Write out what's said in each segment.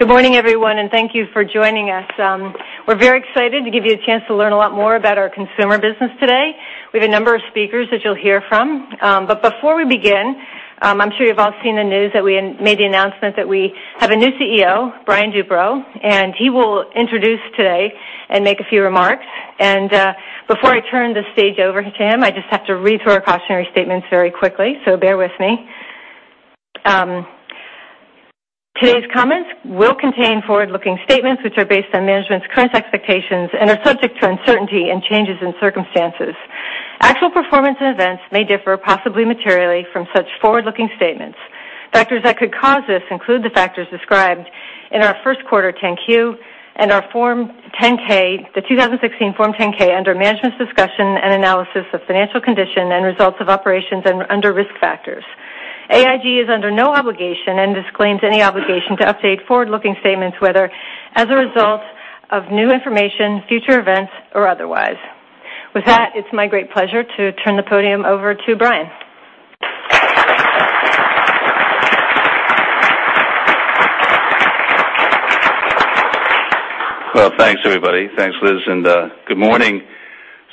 Good morning, everyone, and thank you for joining us. We're very excited to give you a chance to learn a lot more about our consumer business today. We have a number of speakers that you'll hear from. Before we begin, I'm sure you've all seen the news that we made the announcement that we have a new CEO, Brian Duperreault, and he will introduce today and make a few remarks. Before I turn the stage over to him, I just have to read through our cautionary statements very quickly, so bear with me. Today's comments will contain forward-looking statements, which are based on management's current expectations and are subject to uncertainty and changes in circumstances. Actual performance events may differ, possibly materially, from such forward-looking statements. Factors that could cause this include the factors described in our first quarter 10-Q and our Form 10-K, the 2016 Form 10-K under management's discussion and analysis of financial condition and results of operations and under risk factors. AIG is under no obligation and disclaims any obligation to update forward-looking statements, whether as a result of new information, future events, or otherwise. With that, it's my great pleasure to turn the podium over to Brian. Well, thanks, everybody. Thanks, Liz, and good morning.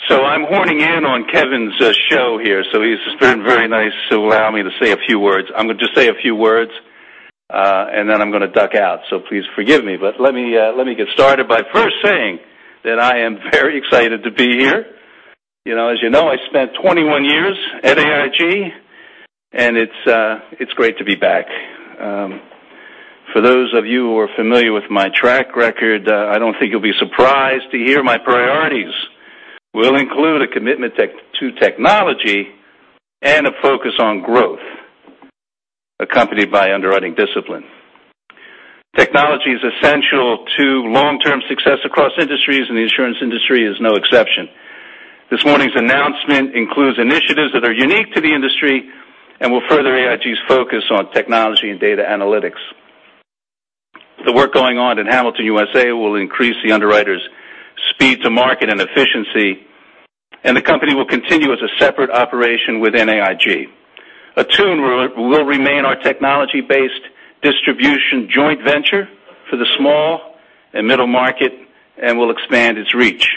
I'm horning in on Kevin's show here. He's been very nice to allow me to say a few words. I'm going to just say a few words, then I'm going to duck out. Please forgive me. Let me get started by first saying that I am very excited to be here. As you know, I spent 21 years at AIG, and it's great to be back. For those of you who are familiar with my track record, I don't think you'll be surprised to hear my priorities will include a commitment to technology and a focus on growth, accompanied by underwriting discipline. Technology is essential to long-term success across industries, the insurance industry is no exception. This morning's announcement includes initiatives that are unique to the industry and will further AIG's focus on technology and data analytics. The work going on in Hamilton USA will increase the underwriters' speed to market and efficiency, the company will continue as a separate operation within AIG. Attune will remain our technology-based distribution joint venture for the small and middle market and will expand its reach.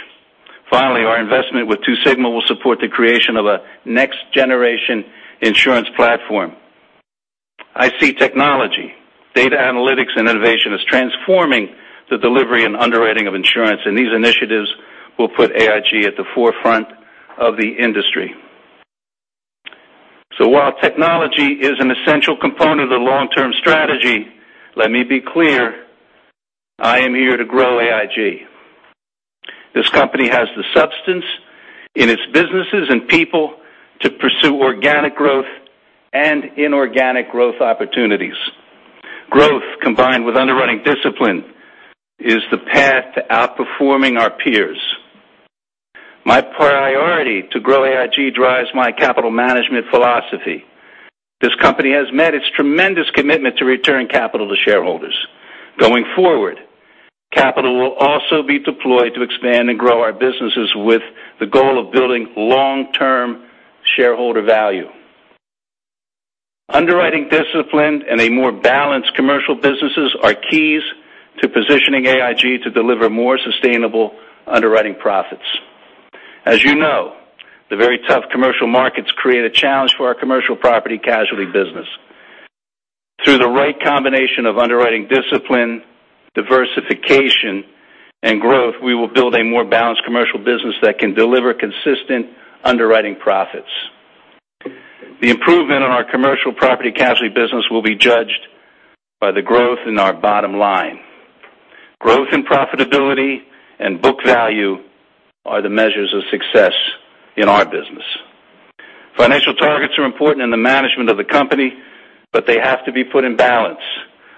Finally, our investment with Two Sigma will support the creation of a next generation insurance platform. I see technology, data analytics, and innovation as transforming the delivery and underwriting of insurance, these initiatives will put AIG at the forefront of the industry. While technology is an essential component of the long-term strategy, let me be clear, I am here to grow AIG. This company has the substance in its businesses and people to pursue organic growth and inorganic growth opportunities. Growth combined with underwriting discipline is the path to outperforming our peers. My priority to grow AIG drives my capital management philosophy. This company has met its tremendous commitment to return capital to shareholders. Going forward, capital will also be deployed to expand and grow our businesses with the goal of building long-term shareholder value. Underwriting discipline and a more balanced commercial businesses are keys to positioning AIG to deliver more sustainable underwriting profits. As you know, the very tough commercial markets create a challenge for our commercial property casualty business. Through the right combination of underwriting discipline, diversification, and growth, we will build a more balanced commercial business that can deliver consistent underwriting profits. The improvement on our commercial property casualty business will be judged by the growth in our bottom line. Growth and profitability and book value are the measures of success in our business. Financial targets are important in the management of the company, they have to be put in balance.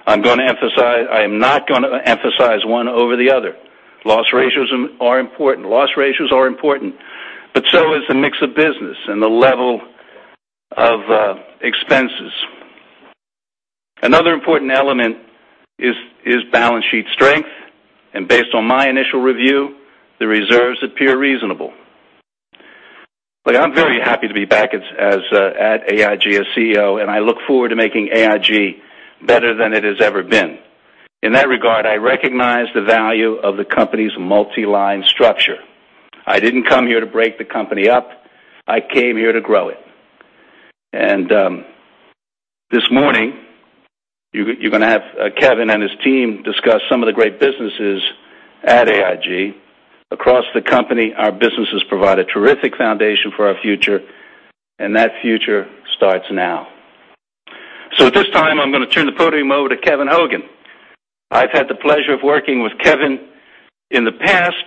I am not going to emphasize one over the other. Loss ratios are important. Loss ratios are important, but so is the mix of business and the level of expenses. Another important element is balance sheet strength, and based on my initial review, the reserves appear reasonable. I'm very happy to be back at AIG as CEO, and I look forward to making AIG better than it has ever been. In that regard, I recognize the value of the company's multi-line structure. I didn't come here to break the company up. I came here to grow it. This morning, you're going to have Kevin and his team discuss some of the great businesses at AIG. Across the company, our businesses provide a terrific foundation for our future, and that future starts now. At this time, I'm going to turn the podium over to Kevin Hogan. I've had the pleasure of working with Kevin in the past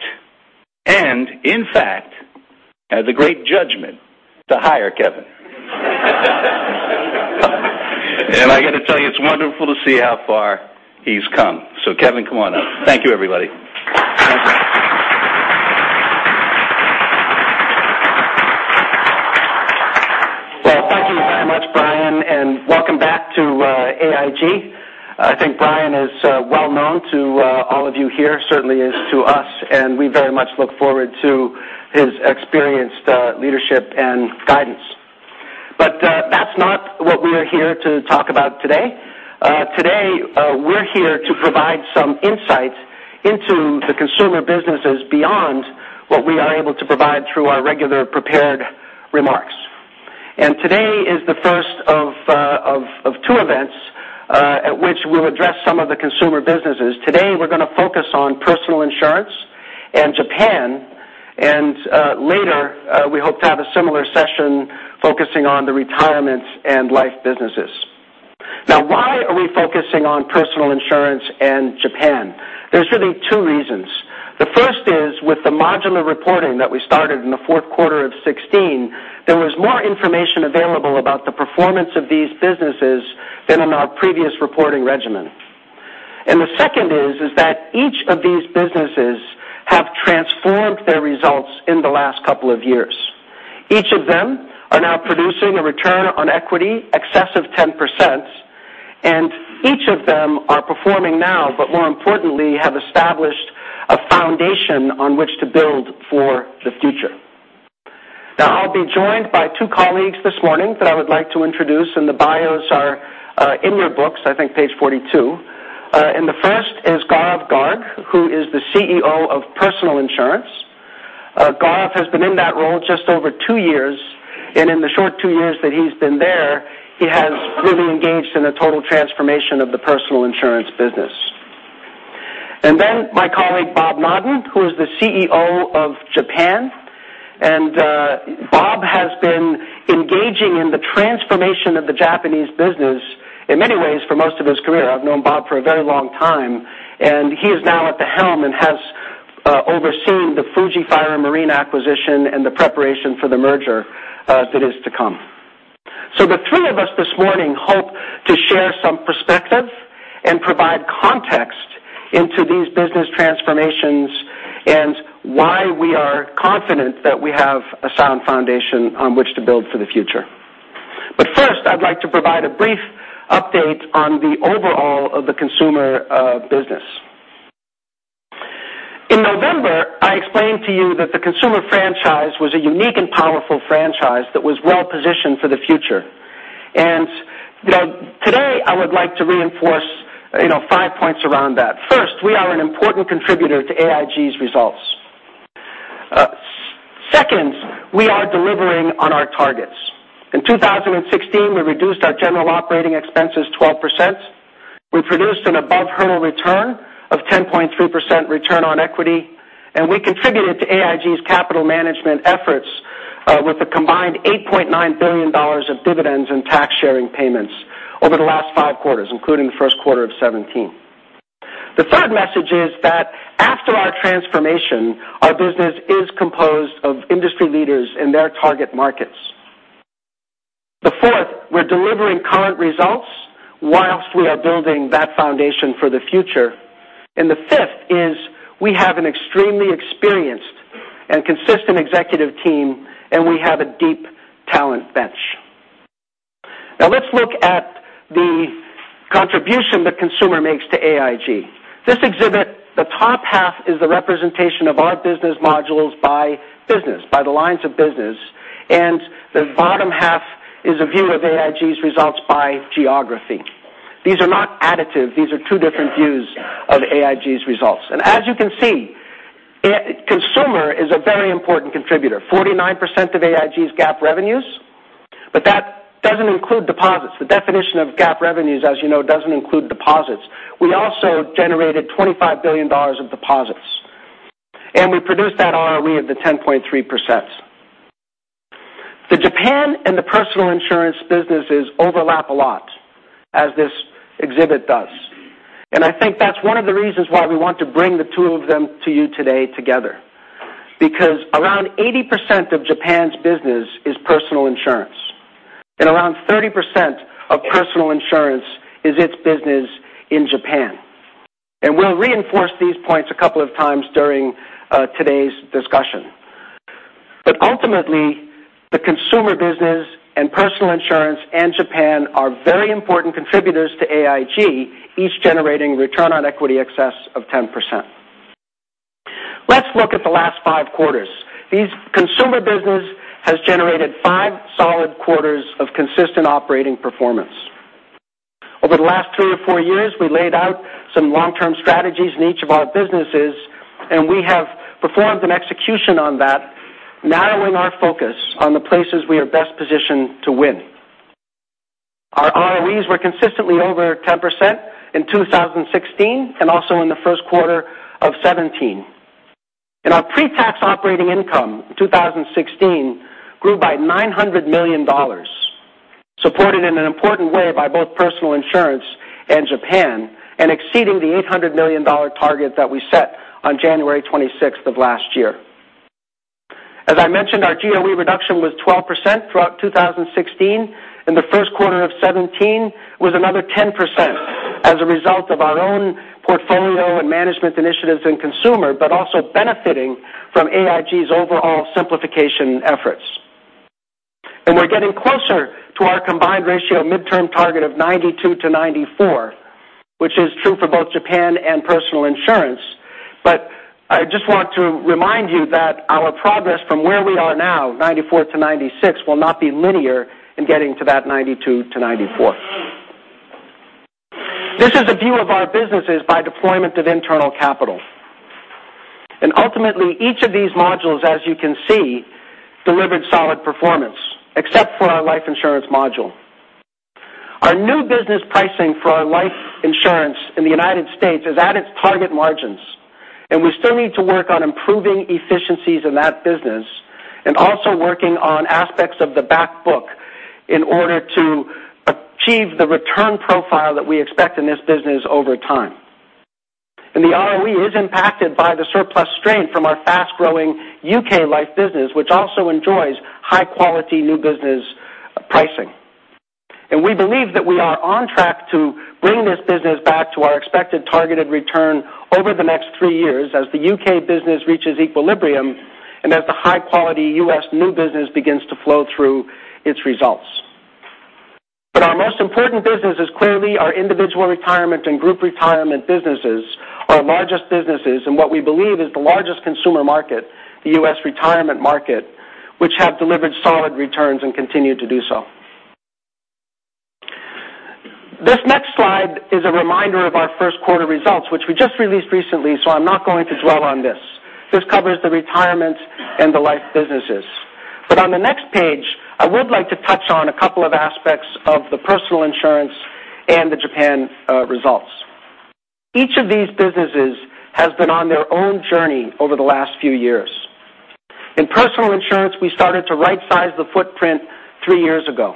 and in fact, had the great judgment to hire Kevin. I got to tell you, it's wonderful to see how far he's come. Kevin, come on up. Thank you, everybody. Thank you very much, Brian, and welcome back to AIG. I think Brian is well known to all of you here, certainly is to us, and we very much look forward to his experienced leadership and guidance. That's not what we are here to talk about today. Today, we're here to provide some insight into the consumer businesses beyond what we are able to provide through our regular prepared remarks. Today is the first of two events at which we'll address some of the consumer businesses. Today, we're going to focus on personal insurance and Japan, and later, we hope to have a similar session focusing on the retirements and life businesses. Why are we focusing on personal insurance and Japan? There's really two reasons. The first is with the modular reporting that we started in the fourth quarter of 2016, there was more information available about the performance of these businesses than in our previous reporting regimen. The second is that each of these businesses have transformed their results in the last couple of years. Each of them are now producing a return on equity excess of 10%, and each of them are performing now, but more importantly, have established a foundation on which to build for the future. I will be joined by two colleagues this morning that I would like to introduce, and the bios are in your books, I think page 42. The first is Gaurav Garg, who is the CEO of Personal Insurance. Gaurav has been in that role just over two years, and in the short two years that he has been there, he has really engaged in a total transformation of the Personal Insurance business. My colleague Bob Noddin, who is the CEO of Japan, and Bob has been engaging in the transformation of the Japanese business in many ways for most of his career. I have known Bob for a very long time, and he is now at the helm and has overseen the Fuji Fire and Marine acquisition and the preparation for the merger that is to come. The three of us this morning hope to share some perspective and provide context into these business transformations and why we are confident that we have a sound foundation on which to build for the future. But first, I would like to provide a brief update on the overall of the consumer business. In November, I explained to you that the consumer franchise was a unique and powerful franchise that was well-positioned for the future. Today, I would like to reinforce five points around that. First, we are an important contributor to AIG's results. Second, we are delivering on our targets. In 2016, we reduced our general operating expenses 12%. We produced an above hurdle return of 10.3% return on equity, and we contributed to AIG's capital management efforts with a combined $8.9 billion of dividends and tax sharing payments over the last five quarters, including the first quarter of 2017. The third message is that after our transformation, our business is composed of industry leaders in their target markets. The fourth, we are delivering current results whilst we are building that foundation for the future. The fifth is we have an extremely experienced and consistent executive team, and we have a deep talent bench. Now let us look at the contribution the consumer makes to AIG. This exhibit, the top half is the representation of our business modules by business, by the lines of business, and the bottom half is a view of AIG's results by geography. These are not additive. These are two different views of AIG's results. As you can see, consumer is a very important contributor, 49% of AIG's GAAP revenues, but that doesn't include deposits. The definition of GAAP revenues, as you know, doesn't include deposits. We also generated $25 billion of deposits, and we produced that ROE of the 10.3%. The Japan and the Personal Insurance businesses overlap a lot, as this exhibit does. I think that's one of the reasons why we want to bring the two of them to you today together. Around 80% of Japan's business is personal insurance. Around 30% of personal insurance is its business in Japan. We'll reinforce these points a couple of times during today's discussion. Ultimately, the consumer business and personal insurance and Japan are very important contributors to AIG, each generating return on equity excess of 10%. Let's look at the last five quarters. These consumer business has generated five solid quarters of consistent operating performance. Over the last three or four years, we laid out some long-term strategies in each of our businesses, and we have performed an execution on that, narrowing our focus on the places we are best positioned to win. Our ROEs were consistently over 10% in 2016 and also in the first quarter of 2017. Our pre-tax operating income, 2016, grew by $900 million, supported in an important way by both personal insurance and Japan and exceeding the $800 million target that we set on January 26th of last year. As I mentioned, our GOE reduction was 12% throughout 2016, and the first quarter of 2017 was another 10% as a result of our own portfolio and management initiatives in consumer, but also benefiting from AIG's overall simplification efforts. We're getting closer to our combined ratio midterm target of 92-94, which is true for both Japan and personal insurance. I just want to remind you that our progress from where we are now, 94-96, will not be linear in getting to that 92-94. This is a view of our businesses by deployment of internal capital. Ultimately, each of these modules, as you can see, delivered solid performance, except for our life insurance module. Our new business pricing for our life insurance in the U.S. is at its target margins, and we still need to work on improving efficiencies in that business and also working on aspects of the back book in order to achieve the return profile that we expect in this business over time. The ROE is impacted by the surplus strain from our fast-growing U.K. life business, which also enjoys high-quality new business pricing. We believe that we are on track to bring this business back to our expected targeted return over the next three years as the U.K. business reaches equilibrium and as the high-quality U.S. new business begins to flow through its results. Our most important business is clearly our individual retirement and group retirement businesses, our largest businesses, and what we believe is the largest consumer market, the U.S. retirement market, which have delivered solid returns and continue to do so. This next slide is a reminder of our first quarter results, which we just released recently, so I'm not going to dwell on this. This covers the retirement and the life businesses. On the next page, I would like to touch on a couple of aspects of the personal insurance and the Japan results. Each of these businesses has been on their own journey over the last few years. In personal insurance, we started to right size the footprint three years ago.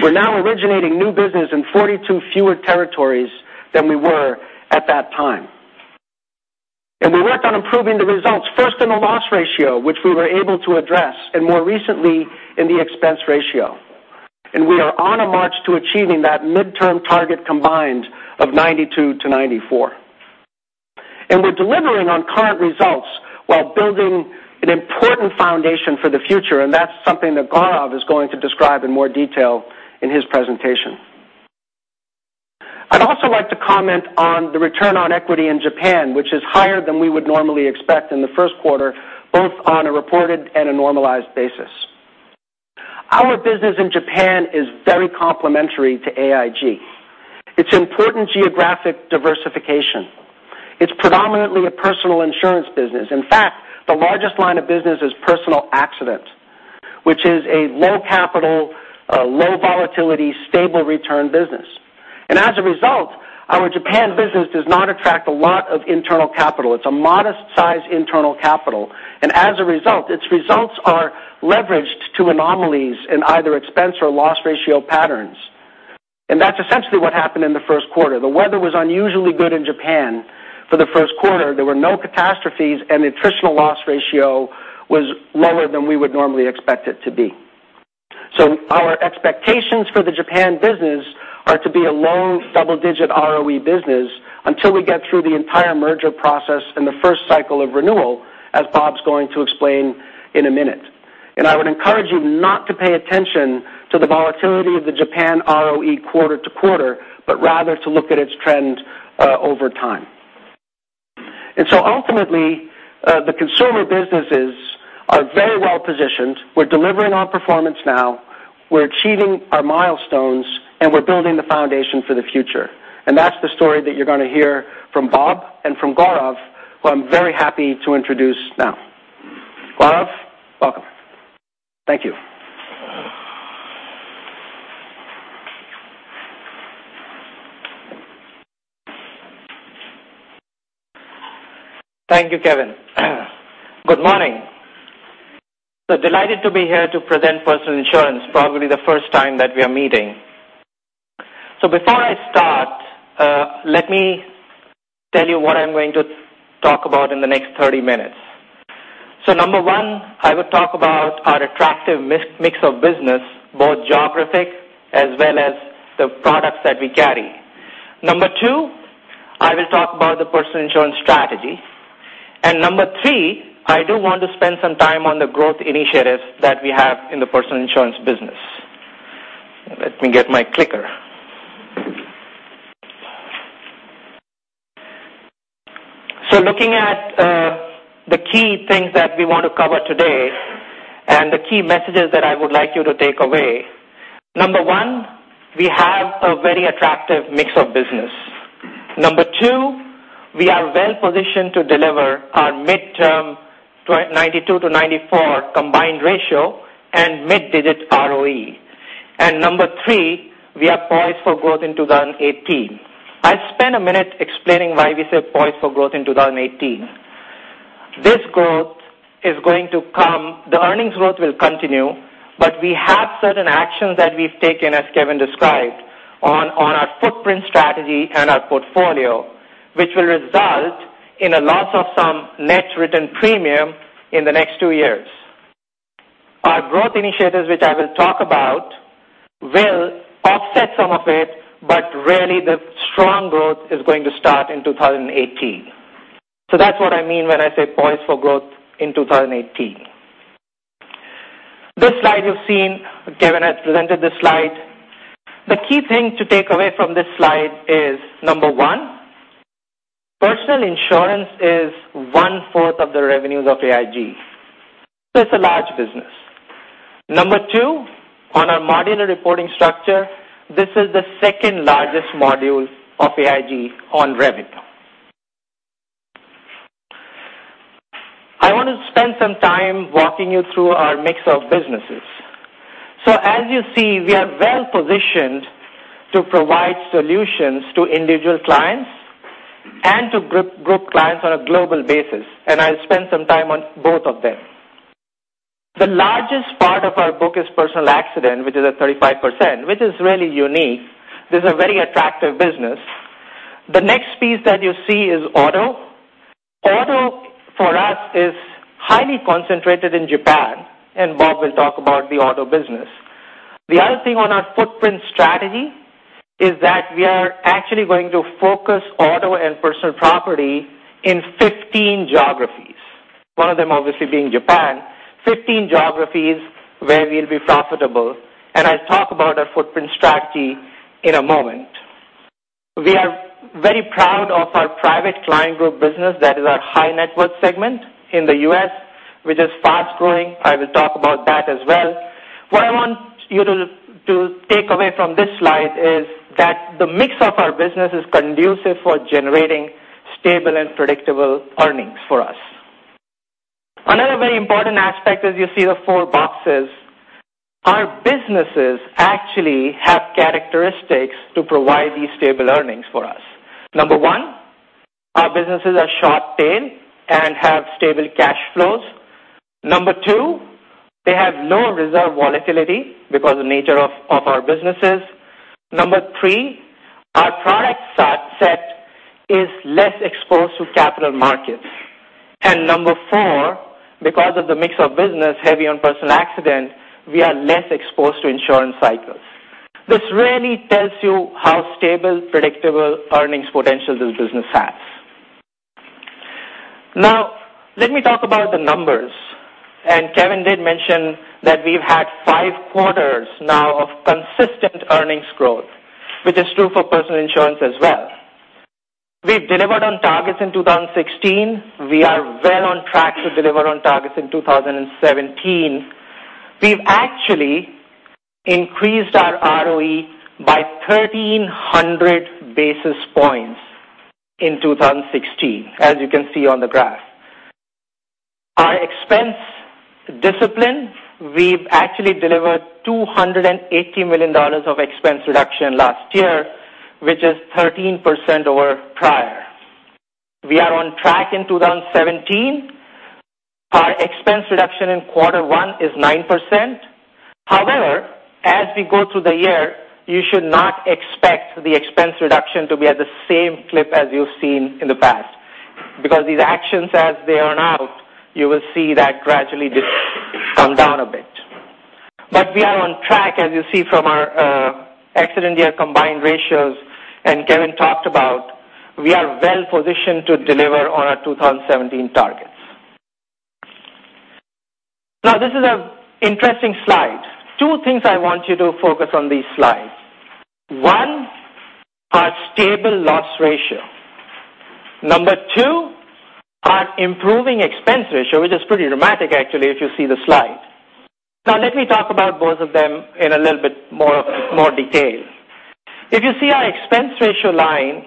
We're now originating new business in 42 fewer territories than we were at that time. We worked on improving the results, first in the loss ratio, which we were able to address, and more recently in the expense ratio. We are on a march to achieving that midterm target combined of 92%-94%. We're delivering on current results while building an important foundation for the future, and that's something that Gaurav is going to describe in more detail in his presentation. I'd also like to comment on the return on equity in Japan, which is higher than we would normally expect in the first quarter, both on a reported and a normalized basis. Our business in Japan is very complementary to AIG. It's important geographic diversification. It's predominantly a personal insurance business. In fact, the largest line of business is personal accident, which is a low capital, low volatility, stable return business. As a result, our Japan business does not attract a lot of internal capital. It's a modest-size internal capital. As a result, its results are leveraged to anomalies in either expense or loss ratio patterns. That's essentially what happened in the first quarter. The weather was unusually good in Japan for the first quarter. There were no catastrophes, and the attritional loss ratio was lower than we would normally expect it to be. Our expectations for the Japan business are to be a low double-digit ROE business until we get through the entire merger process and the first cycle of renewal, as Bob's going to explain in a minute. I would encourage you not to pay attention to the volatility of the Japan ROE quarter-to-quarter, but rather to look at its trend over time. Ultimately, the consumer businesses are very well-positioned. We're delivering on performance now, we're achieving our milestones, and we're building the foundation for the future. That's the story that you're going to hear from Bob and from Gaurav, who I'm very happy to introduce now. Gaurav, welcome. Thank you. Thank you, Kevin. Good morning. Delighted to be here to present personal insurance, probably the first time that we are meeting. Before I start, let me tell you what I'm going to talk about in the next 30 minutes. Number one, I will talk about our attractive mix of business, both geographic as well as the products that we carry. Number two, I will talk about the personal insurance strategy. Number three, I do want to spend some time on the growth initiatives that we have in the personal insurance business. Let me get my clicker. Looking at the key things that we want to cover today and the key messages that I would like you to take away. Number one, we have a very attractive mix of business. Number two, we are well-positioned to deliver our midterm 92-94 combined ratio and mid digits ROE. Number three, we are poised for growth in 2018. I'll spend a minute explaining why we say poised for growth in 2018. This growth is going to come, the earnings growth will continue, but we have certain actions that we've taken, as Kevin described, on our footprint strategy and our portfolio, which will result in a loss of some net written premium in the next two years. Our growth initiatives, which I will talk about, will offset some of it, but really the strong growth is going to start in 2018. That's what I mean when I say poised for growth in 2018. This slide you've seen. Kevin has presented this slide. The key thing to take away from this slide is, number one, personal insurance is one fourth of the revenues of AIG. It's a large business. Number two, on our modular reporting structure, this is the second-largest module of AIG on revenue. I want to spend some time walking you through our mix of businesses. As you see, we are well-positioned to provide solutions to individual clients and to group clients on a global basis, and I'll spend some time on both of them. The largest part of our book is personal accident, which is at 35%, which is really unique. This is a very attractive business. The next piece that you see is auto. Auto for us is highly concentrated in Japan, and Bob will talk about the auto business. The other thing on our footprint strategy is that we are actually going to focus auto and personal property in 15 geographies, one of them obviously being Japan, 15 geographies where we'll be profitable, and I'll talk about our footprint strategy in a moment. We are very proud of our Private Client Group business that is our high net worth segment in the U.S., which is fast-growing. I will talk about that as well. What I want you to take away from this slide is that the mix of our business is conducive for generating stable and predictable earnings for us. Another very important aspect is you see the four boxes. Our businesses actually have characteristics to provide these stable earnings for us. Number one, our businesses are short tail and have stable cash flows. Number two, they have no reserve volatility because the nature of our businesses. Number three, our product set is less exposed to capital markets. Number four, because of the mix of business, heavy on personal accident, we are less exposed to insurance cycles. This really tells you how stable, predictable earnings potential this business has. Let me talk about the numbers. Kevin did mention that we've had five quarters now of consistent earnings growth, which is true for personal insurance as well. We've delivered on targets in 2016. We are well on track to deliver on targets in 2017. We've actually increased our ROE by 1,300 basis points in 2016, as you can see on the graph. Our expense discipline, we've actually delivered $280 million of expense reduction last year, which is 13% over prior. We are on track in 2017. Our expense reduction in quarter 1 is 9%. However, as we go through the year, you should not expect the expense reduction to be at the same clip as you've seen in the past, because these actions as they earn out, you will see that gradually this come down a bit. We are on track, as you see from our accident year combined ratios, and Kevin talked about, we are well-positioned to deliver on our 2017 targets. This is an interesting slide. Two things I want you to focus on these slides. One, our stable loss ratio. Number two, our improving expense ratio, which is pretty dramatic, actually, if you see the slide. Let me talk about both of them in a little bit more detail. If you see our expense ratio line,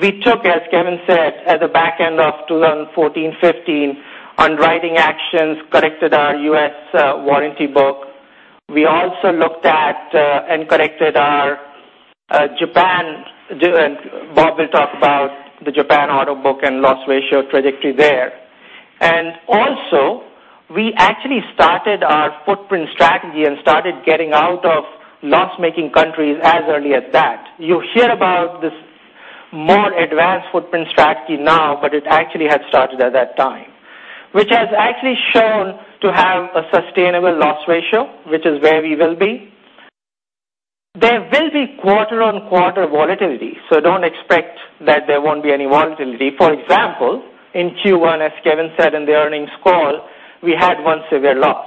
we took, as Kevin said, at the back end of 2014, 2015 on writing actions, corrected our U.S. warranty book. We also looked at, and corrected our Japan. Bob will talk about the Japan auto book and loss ratio trajectory there. We actually started our footprint strategy and started getting out of loss-making countries as early as that. You hear about this more advanced footprint strategy now, but it actually had started at that time, which has actually shown to have a sustainable loss ratio, which is where we will be. There will be quarter on quarter volatility, so don't expect that there won't be any volatility. For example, in Q1, as Kevin said in the earnings call, we had one severe loss.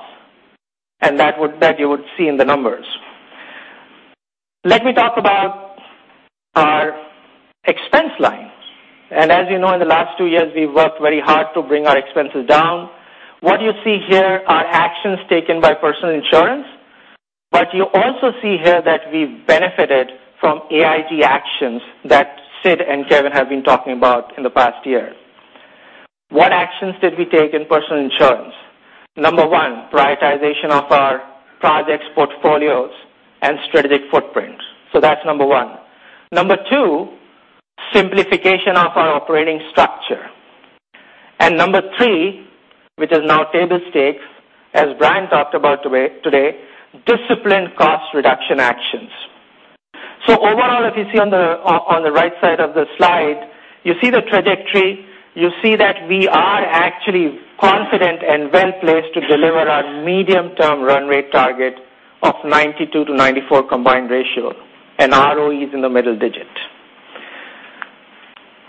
That you would see in the numbers. Let me talk about our expense lines. As you know, in the last two years, we've worked very hard to bring our expenses down. What you see here are actions taken by personal insurance, you also see here that we've benefited from AIG actions that Sid and Kevin have been talking about in the past year. What actions did we take in personal insurance? Number one, prioritization of our projects, portfolios, and strategic footprint. That's number one. Number two, simplification of our operating structure. Number three, which is now table stakes, as Brian talked about today, disciplined cost reduction actions. Overall, if you see on the right side of the slide, you see the trajectory, you see that we are actually confident and well-placed to deliver our medium-term run rate target of 92-94 combined ratio, and ROE is in the middle digit.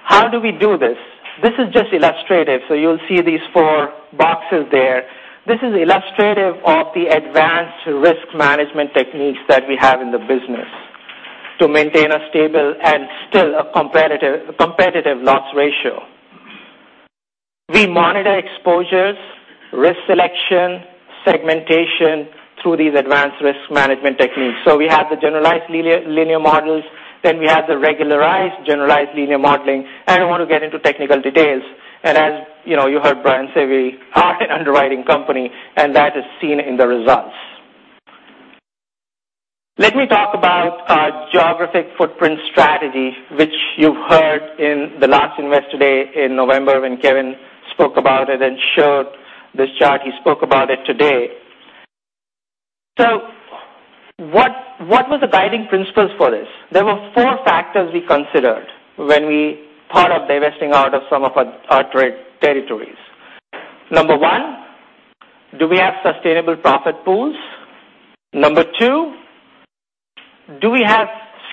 How do we do this? This is just illustrative, so you'll see these four boxes there. This is illustrative of the advanced risk management techniques that we have in the business to maintain a stable and still a competitive loss ratio. We monitor exposures, risk selection, segmentation through these advanced risk management techniques. We have the generalized linear models, we have the regularized generalized linear modeling. I don't want to get into technical details. As you heard Brian say, we are an underwriting company, that is seen in the results. Let me talk about our geographic footprint strategy, which you've heard in the last Investor Day in November when Kevin spoke about it and showed this chart. He spoke about it today. What was the guiding principles for this? There were four factors we considered when we thought of divesting out of some of our territories. Number one, do we have sustainable profit pools? Number two, do we have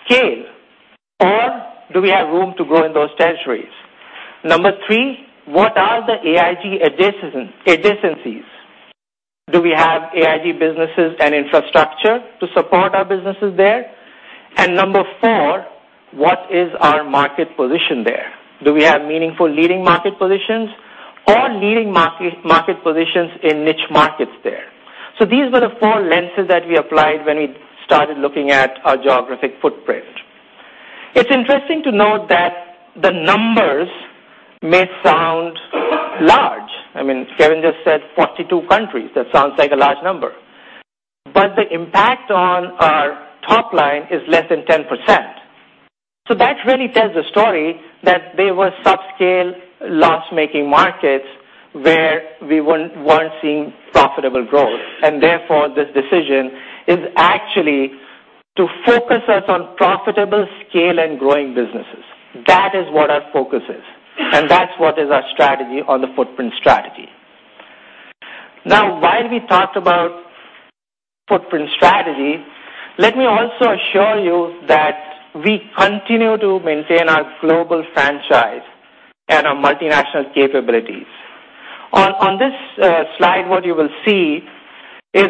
scale, or do we have room to grow in those territories? Number three, what are the AIG adjacencies? Do we have AIG businesses and infrastructure to support our businesses there? Number four, what is our market position there? Do we have meaningful leading market positions or leading market positions in niche markets there? These were the four lenses that we applied when we started looking at our geographic footprint. It's interesting to note that the numbers may sound large. I mean, Kevin just said 42 countries. That sounds like a large number. But the impact on our top line is less than 10%. That really tells the story that they were subscale, loss-making markets where we weren't seeing profitable growth. Therefore, this decision is actually to focus us on profitable scale and growing businesses. That is what our focus is, that's what is our strategy on the footprint strategy. While we talked about footprint strategy, let me also assure you that we continue to maintain our global franchise and our multinational capabilities. On this slide, what you will see is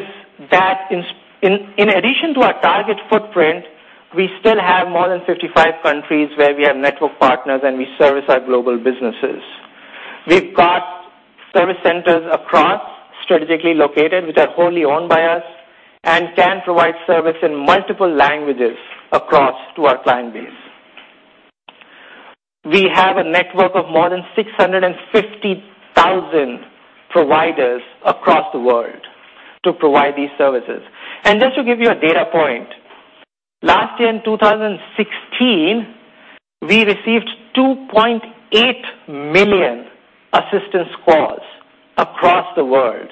that in addition to our target footprint, we still have more than 55 countries where we have network partners and we service our global businesses. We've got service centers across, strategically located, which are wholly owned by us and can provide service in multiple languages across to our client base. We have a network of more than 650,000 providers across the world to provide these services. Just to give you a data point, last year in 2016, we received 2.8 million assistance calls across the world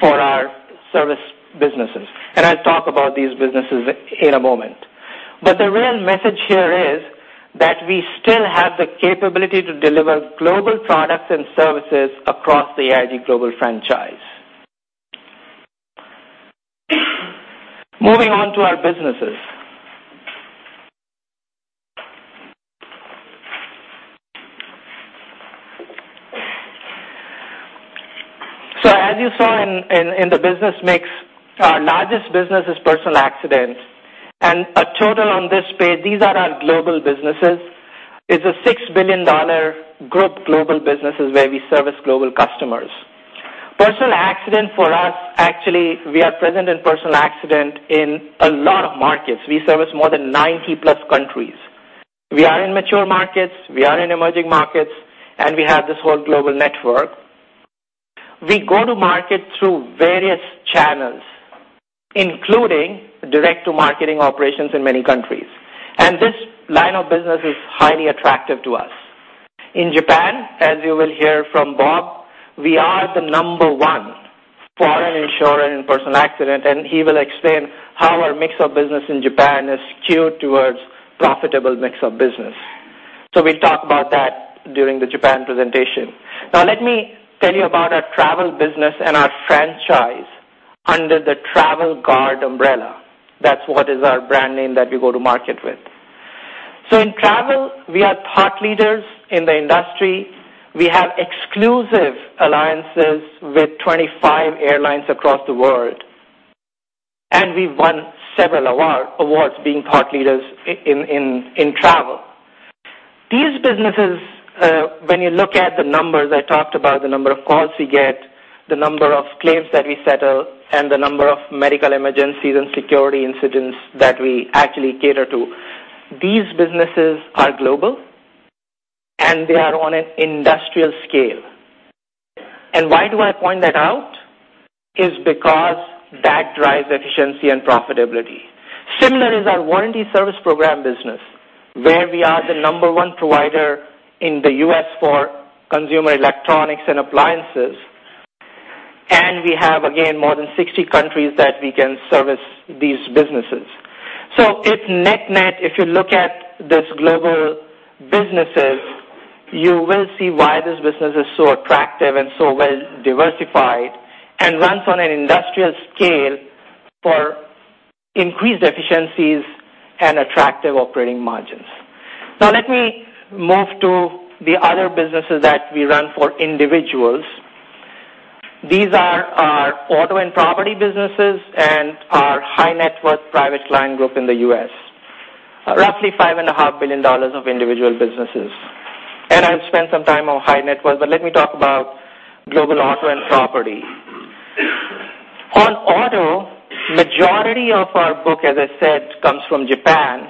for our service businesses. I'll talk about these businesses in a moment. The real message here is that we still have the capability to deliver global products and services across the AIG global franchise. Moving on to our businesses. As you saw in the business mix, our largest business is personal accident and total on this page, these are our global businesses. It's a $6 billion group global businesses where we service global customers. Personal accident for us, actually, we are present in personal accident in a lot of markets. We service more than 90+ countries. We are in mature markets, we are in emerging markets, and we have this whole global network. We go to market through various channels, including direct to marketing operations in many countries. This line of business is highly attractive to us. In Japan, as you will hear from Bob, we are the number one foreign insurer in personal accident, he will explain how our mix of business in Japan is skewed towards profitable mix of business. We'll talk about that during the Japan presentation. Let me tell you about our travel business and our franchise under the Travel Guard umbrella. That's what is our brand name that we go to market with. In travel, we are thought leaders in the industry. We have exclusive alliances with 25 airlines across the world, we've won several awards being thought leaders in travel. These businesses, when you look at the numbers I talked about, the number of calls we get, the number of claims that we settle, and the number of medical emergencies and security incidents that we actually cater to. These businesses are global, they are on an industrial scale. Why do I point that out? Because that drives efficiency and profitability. Similar is our warranty service program business, where we are the number 1 provider in the U.S. for consumer electronics and appliances. We have, again, more than 60 countries that we can service these businesses. If net net, if you look at these global businesses, you will see why this business is so attractive and so well diversified and runs on an industrial scale for increased efficiencies and attractive operating margins. Let me move to the other businesses that we run for individuals. These are our auto and property businesses and our high-net worth Private Client Group in the U.S. Roughly $5.5 billion of individual businesses. I'll spend some time on high net worth, but let me talk about global auto and property. On auto, majority of our book, as I said, comes from Japan,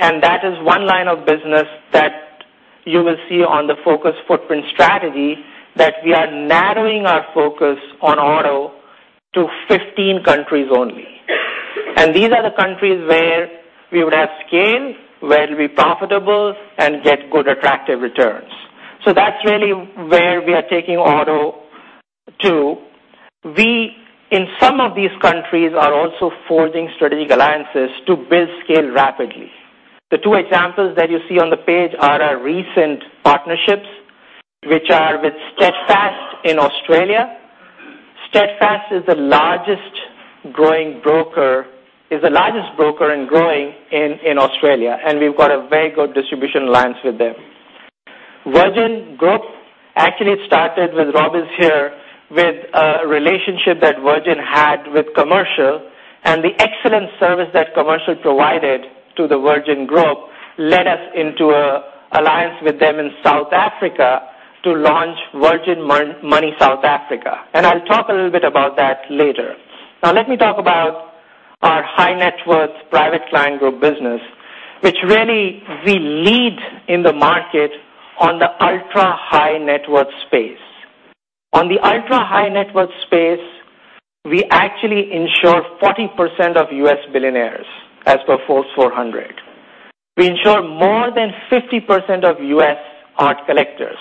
that is 1 line of business that you will see on the Focused Footprint Strategy that we are narrowing our focus on auto to 15 countries only. These are the countries where we would have scale, where we'll be profitable, and get good, attractive returns. That's really where we are taking auto to. We, in some of these countries, are also forging strategic alliances to build scale rapidly. The 2 examples that you see on the page are our recent partnerships, which are with Steadfast in Australia. Steadfast is the largest broker growing in Australia, and we've got a very good distribution alliance with them. Virgin Group actually started with Bob who's here, with a relationship that Virgin had with Commercial, the excellent service that Commercial provided to the Virgin Group led us into an alliance with them in South Africa to launch Virgin Money South Africa, I'll talk a little bit about that later. Let me talk about our high-net worth Private Client Group business, which really we lead in the market on the ultra-high-net-worth space. On the ultra-high-net-worth space, we actually insure 40% of U.S. billionaires, as per Forbes 400. We insure more than 50% of U.S. art collectors.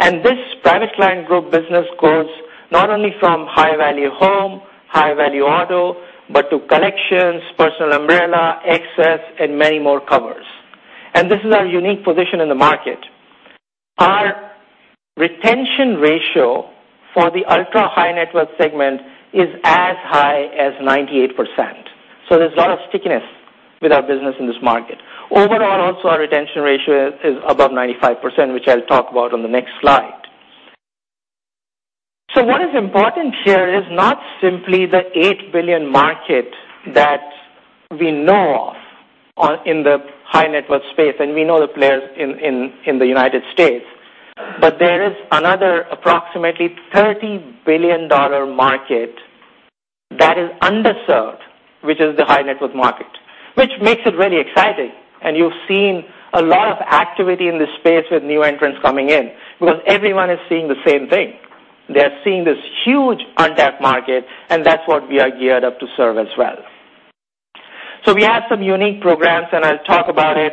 This Private Client Group business goes not only from high-value home, high-value auto, but to collections, personal umbrella, excess, and many more covers. This is our unique position in the market. Our retention ratio for the ultra-high-net-worth segment is as high as 98%. There's a lot of stickiness with our business in this market. Overall, also, our retention ratio is above 95%, which I'll talk about on the next slide. What is important here is not simply the $8 billion market that we know of in the high-net-worth space, and we know the players in the United States. There is another approximately $30 billion market that is underserved, which is the high-net-worth market, which makes it very exciting. You've seen a lot of activity in this space with new entrants coming in because everyone is seeing the same thing. They're seeing this huge untapped market, that's what we are geared up to serve as well. We have some unique programs, and I'll talk about it.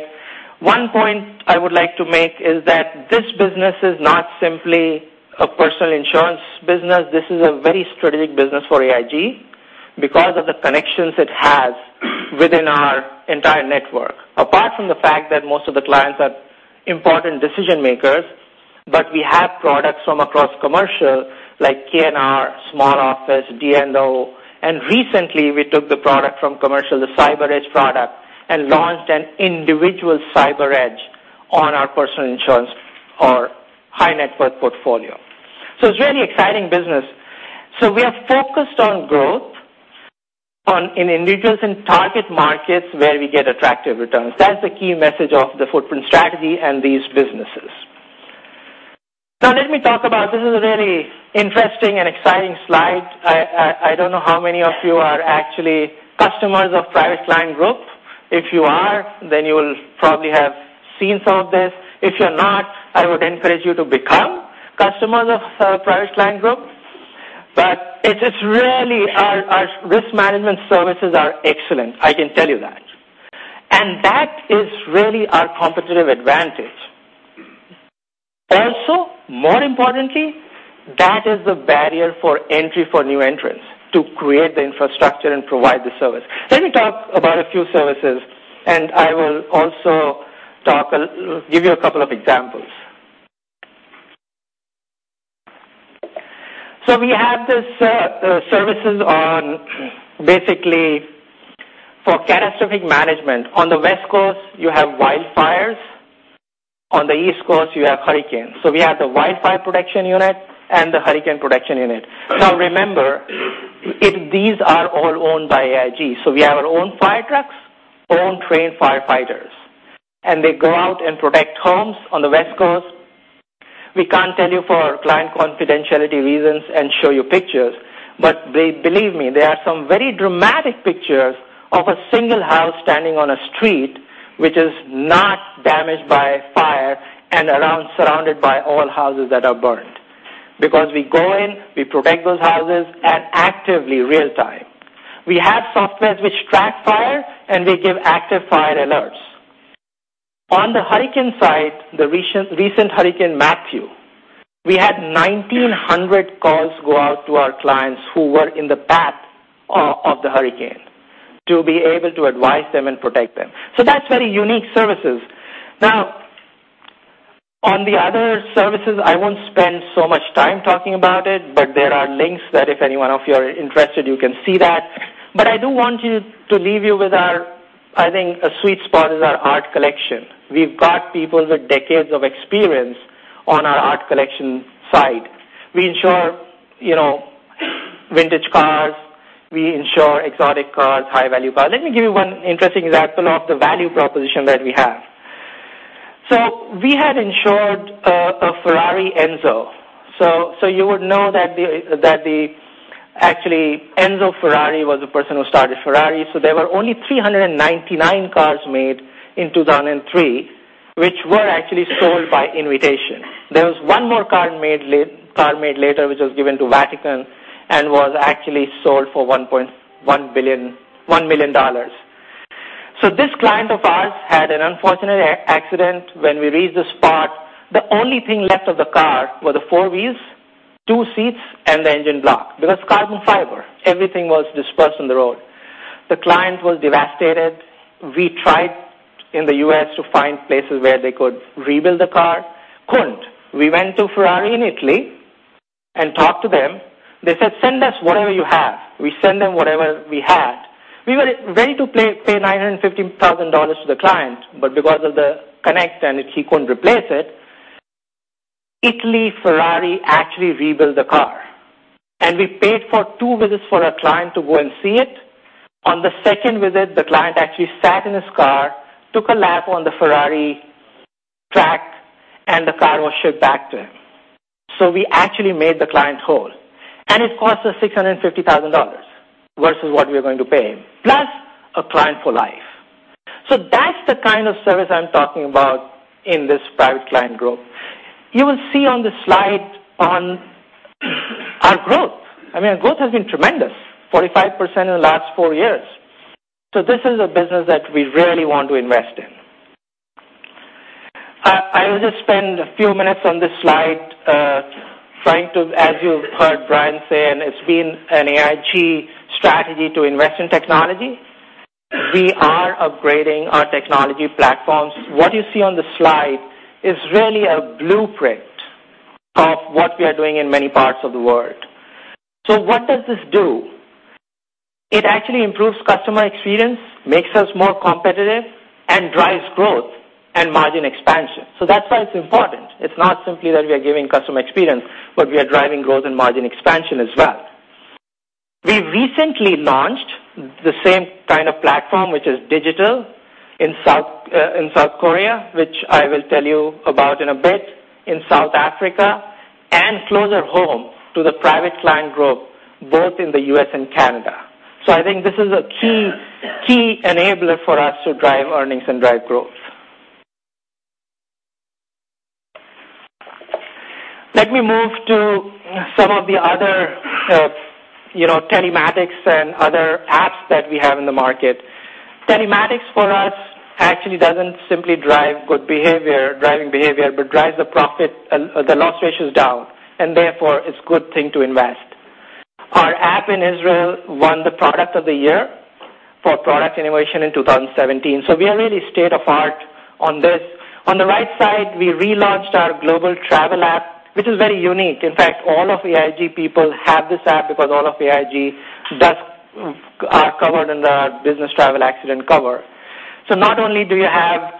One point I would like to make is that this business is not simply a personal insurance business. This is a very strategic business for AIG because of the connections it has within our entire network. Apart from the fact that most of the clients are important decision-makers, but we have products from across Commercial, like K&R, small office, D&O, and recently we took the product from Commercial, the CyberEdge product, and launched an individual CyberEdge on our personal insurance or high-net-worth portfolio. It's really exciting business. We are focused on growth in individuals and target markets where we get attractive returns. That's the key message of the footprint strategy and these businesses. Let me talk about, this is a very interesting and exciting slide. I don't know how many of you are actually customers of Private Client Group. If you are, then you'll probably have seen some of this. If you're not, I would encourage you to become customers of Private Client Group. Our risk management services are excellent, I can tell you that. That is really our competitive advantage. More importantly, that is the barrier for entry for new entrants to create the infrastructure and provide the service. Let me talk about a few services, and I will also give you a couple of examples. We have these services on basically for catastrophic management. On the West Coast, you have wildfires. On the East Coast, you have hurricanes. We have the wildfire protection unit and the hurricane protection unit. Remember, these are all owned by AIG, so we have our own fire trucks, own trained firefighters, and they go out and protect homes on the West Coast. We can't tell you for client confidentiality reasons and show you pictures, but believe me, there are some very dramatic pictures of a single house standing on a street, which is not damaged by fire and surrounded by all houses that are burned. We go in, we protect those houses, and actively real time. We have softwares which track fire, and we give active fire alerts. On the hurricane side, the recent Hurricane Matthew, we had 1,900 calls go out to our clients who were in the path of the hurricane to be able to advise them and protect them. That's very unique services. On the other services, I won't spend so much time talking about it, but there are links that if any one of you are interested, you can see that. I do want to leave you with our, I think a sweet spot is our art collection. We've got people with decades of experience on our art collection side. We insure vintage cars, we insure exotic cars, high-value cars. Let me give you one interesting example of the value proposition that we have. We had insured a Ferrari Enzo. You would know that actually Enzo Ferrari was the person who started Ferrari. There were only 399 cars made in 2003, which were actually sold by invitation. There was one more car made later, which was given to Vatican and was actually sold for $1 million. This client of ours had an unfortunate accident. When we reached the spot, the only thing left of the car were the four wheels, two seats, and the engine block. It was carbon fiber. Everything was dispersed on the road. The client was devastated. We tried in the U.S. to find places where they could rebuild the car. Couldn't. We went to Ferrari in Italy and talked to them. They said, "Send us whatever you have." We send them whatever we had. We were ready to pay $950,000 to the client, but because of the connect and if he couldn't replace it, Italy Ferrari actually rebuilt the car. We paid for two visits for our client to go and see it. On the second visit, the client actually sat in his car, took a lap on the Ferrari track, and the car was shipped back to him. We actually made the client whole, and it cost us $650,000 versus what we were going to pay him, plus a client for life. That's the kind of service I am talking about in this Private Client Group. You will see on the slide on our growth. I mean, our growth has been tremendous, 45% in the last four years. This is a business that we really want to invest in. I will just spend a few minutes on this slide, trying to, as you heard Brian say, and it's been an AIG strategy to invest in technology. We are upgrading our technology platforms. What you see on the slide is really a blueprint of what we are doing in many parts of the world. What does this do? It actually improves customer experience, makes us more competitive, and drives growth and margin expansion. That's why it's important. It's not simply that we are giving customer experience, but we are driving growth and margin expansion as well. We recently launched the same kind of platform, which is digital, in South Korea, which I will tell you about in a bit, in South Africa, and closer home to the Private Client Group, both in the U.S. and Canada. I think this is a key enabler for us to drive earnings and drive growth. Let me move to some of the other telematics and other apps that we have in the market. Telematics for us actually doesn't simply drive good behavior, driving behavior, but drives the loss ratios down, and therefore, it's good thing to invest. Our app in Israel won the product of the year for product innovation in 2017. We are really state of art on this. On the right side, we relaunched our global travel app, which is very unique. In fact, all of the AIG people have this app because all of the AIG are covered in the business travel accident cover. Not only do you have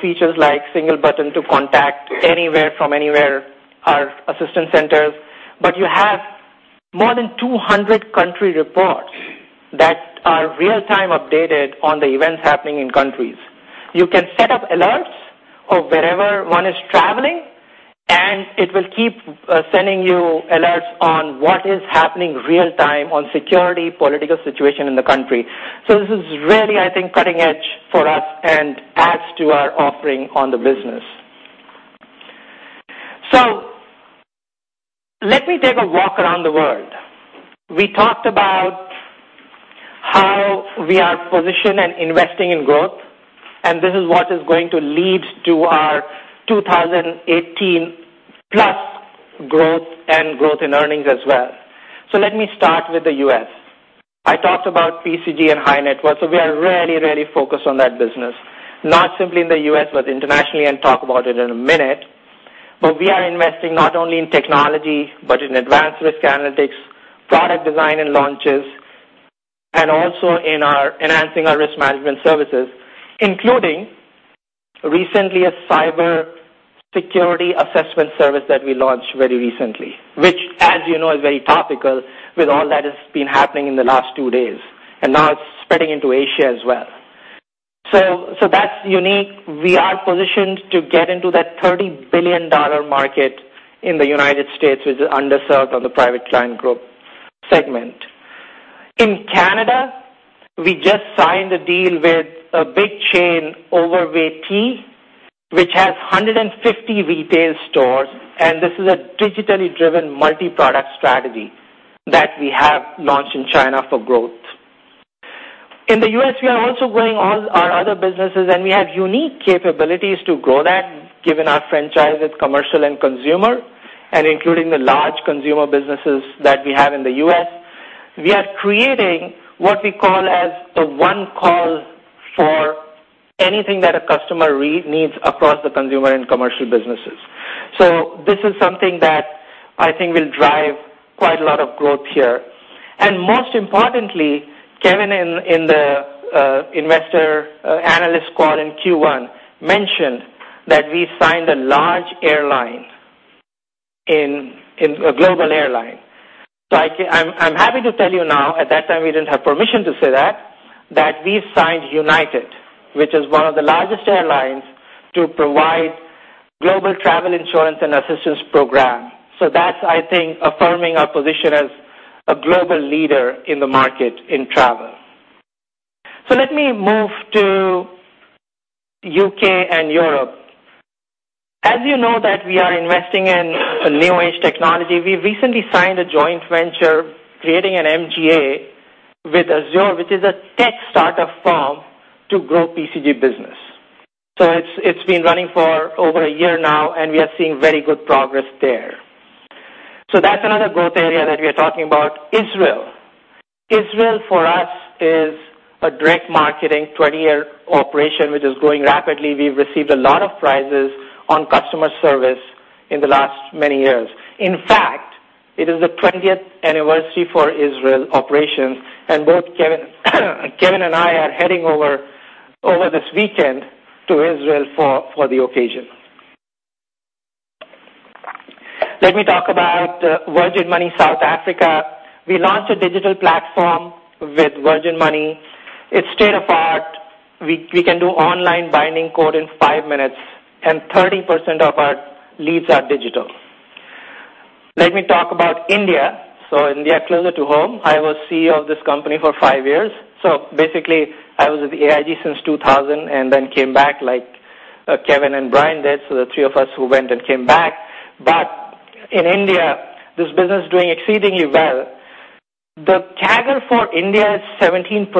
features like single button to contact anywhere from anywhere, our assistance centers, but you have more than 200 country reports that are real-time updated on the events happening in countries. You can set up alerts of wherever one is traveling, and it will keep sending you alerts on what is happening real time on security, political situation in the country. This is really, I think, cutting edge for us and adds to our offering on the business. Let me take a walk around the world. We talked about how we are positioned and investing in growth, and this is what is going to lead to our 2018 plus growth and growth in earnings as well. Let me start with the U.S. I talked about PCG and high net worth. We are really, really focused on that business, not simply in the U.S., but internationally and talk about it in a minute. We are investing not only in technology, but in advanced risk analytics, product design, and launches, and also in enhancing our risk management services, including recently a cybersecurity assessment service that we launched very recently, which, as you know, is very topical with all that has been happening in the last two days, and now it's spreading into Asia as well. That's unique. We are positioned to get into that $30 billion market in the United States, which is underserved on the Private Client Group segment. In Canada, we just signed a deal with a big chain, DAVIDsTEA, which has 150 retail stores. This is a digitally driven multi-product strategy that we have launched in China for growth. In the U.S., we are also growing all our other businesses. We have unique capabilities to grow that given our franchise with commercial and consumer, including the large consumer businesses that we have in the U.S. We are creating what we call as the one call for anything that a customer needs across the consumer and commercial businesses. This is something that I think will drive quite a lot of growth here. Most importantly, Kevin in the investor analyst call in Q1, mentioned that we signed a large airline, a global airline. I'm happy to tell you now, at that time, we didn't have permission to say that we signed United, which is one of the largest airlines to provide global travel insurance and assistance program. That's, I think, affirming our position as a global leader in the market in travel. Let me move to U.K. and Europe. As you know that we are investing in a new age technology, we recently signed a joint venture creating an MGA with Azur, which is a tech start-up firm to grow PCG business. It's been running for over a year now, and we are seeing very good progress there. That's another growth area that we're talking about. Israel. Israel for us is a direct marketing, 20-year operation, which is growing rapidly. We've received a lot of prizes on customer service in the last many years. In fact, it is the 20th anniversary for Israel operations, and both Kevin and I are heading over this weekend to Israel for the occasion. Let me talk about Virgin Money South Africa. We launched a digital platform with Virgin Money. It's state-of-the-art. We can do online binding quote in five minutes. 30% of our leads are digital. Let me talk about India. India, closer to home. I was CEO of this company for five years. Basically I was with AIG since 2000. Came back like Kevin and Brian did, the three of us who went and came back. In India, this business is doing exceedingly well. The CAGR for India is 17%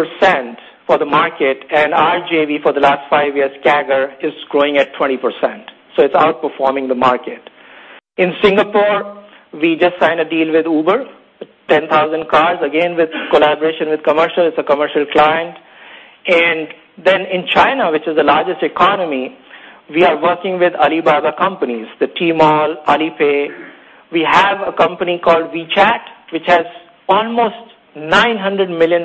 for the market. Our JV for the last five years CAGR is growing at 20%. It's outperforming the market. In Singapore, we just signed a deal with Uber, 10,000 cars, again, with collaboration with commercial. It's a commercial client. In China, which is the largest economy, we are working with Alibaba companies, the Tmall, Alipay. We have a company called WeChat, which has almost $900 million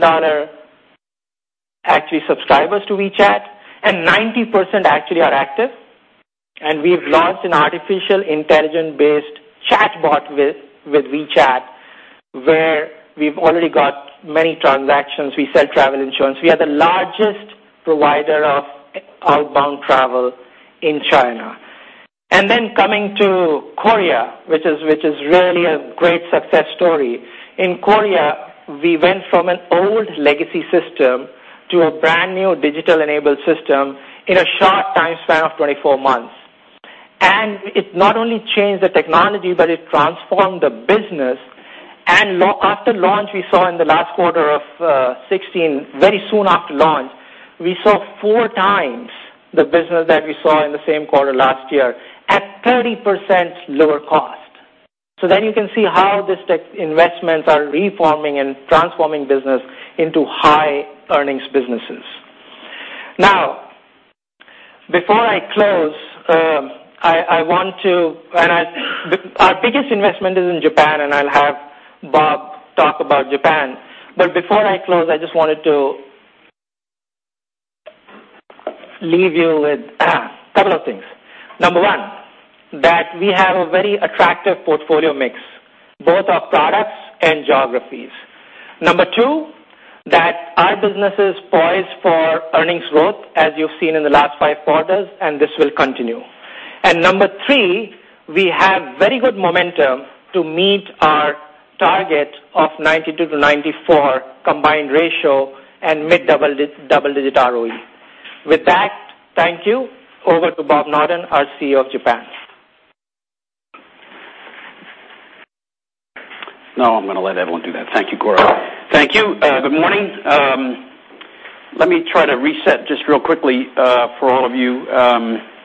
actually subscribers to WeChat, and 90% actually are active. We've launched an artificial intelligence-based chatbot with WeChat, where we've already got many transactions. We sell travel insurance. We are the largest provider of outbound travel in China. Coming to Korea, which is really a great success story. In Korea, we went from an old legacy system to a brand new digital-enabled system in a short time span of 24 months. It not only changed the technology, but it transformed the business. After launch, we saw in the last quarter of 2016, very soon after launch, we saw four times the business that we saw in the same quarter last year at 30% lower cost. You can see how these tech investments are reforming and transforming business into high earnings businesses. Before I close, our biggest investment is in Japan, and I'll have Bob talk about Japan. Before I close, I just wanted to leave you with a couple of things. Number one, that we have a very attractive portfolio mix, both our products and geographies. Number two, that our business is poised for earnings growth as you've seen in the last five quarters, and this will continue. Number three, we have very good momentum to meet our target of 92-94 combined ratio and mid-double-digit ROE. With that, thank you. Over to Bob Noddin, our CEO of Japan. No, I'm going to let everyone do that. Thank you, Gaurav. Thank you. Good morning. Let me try to reset just real quickly for all of you.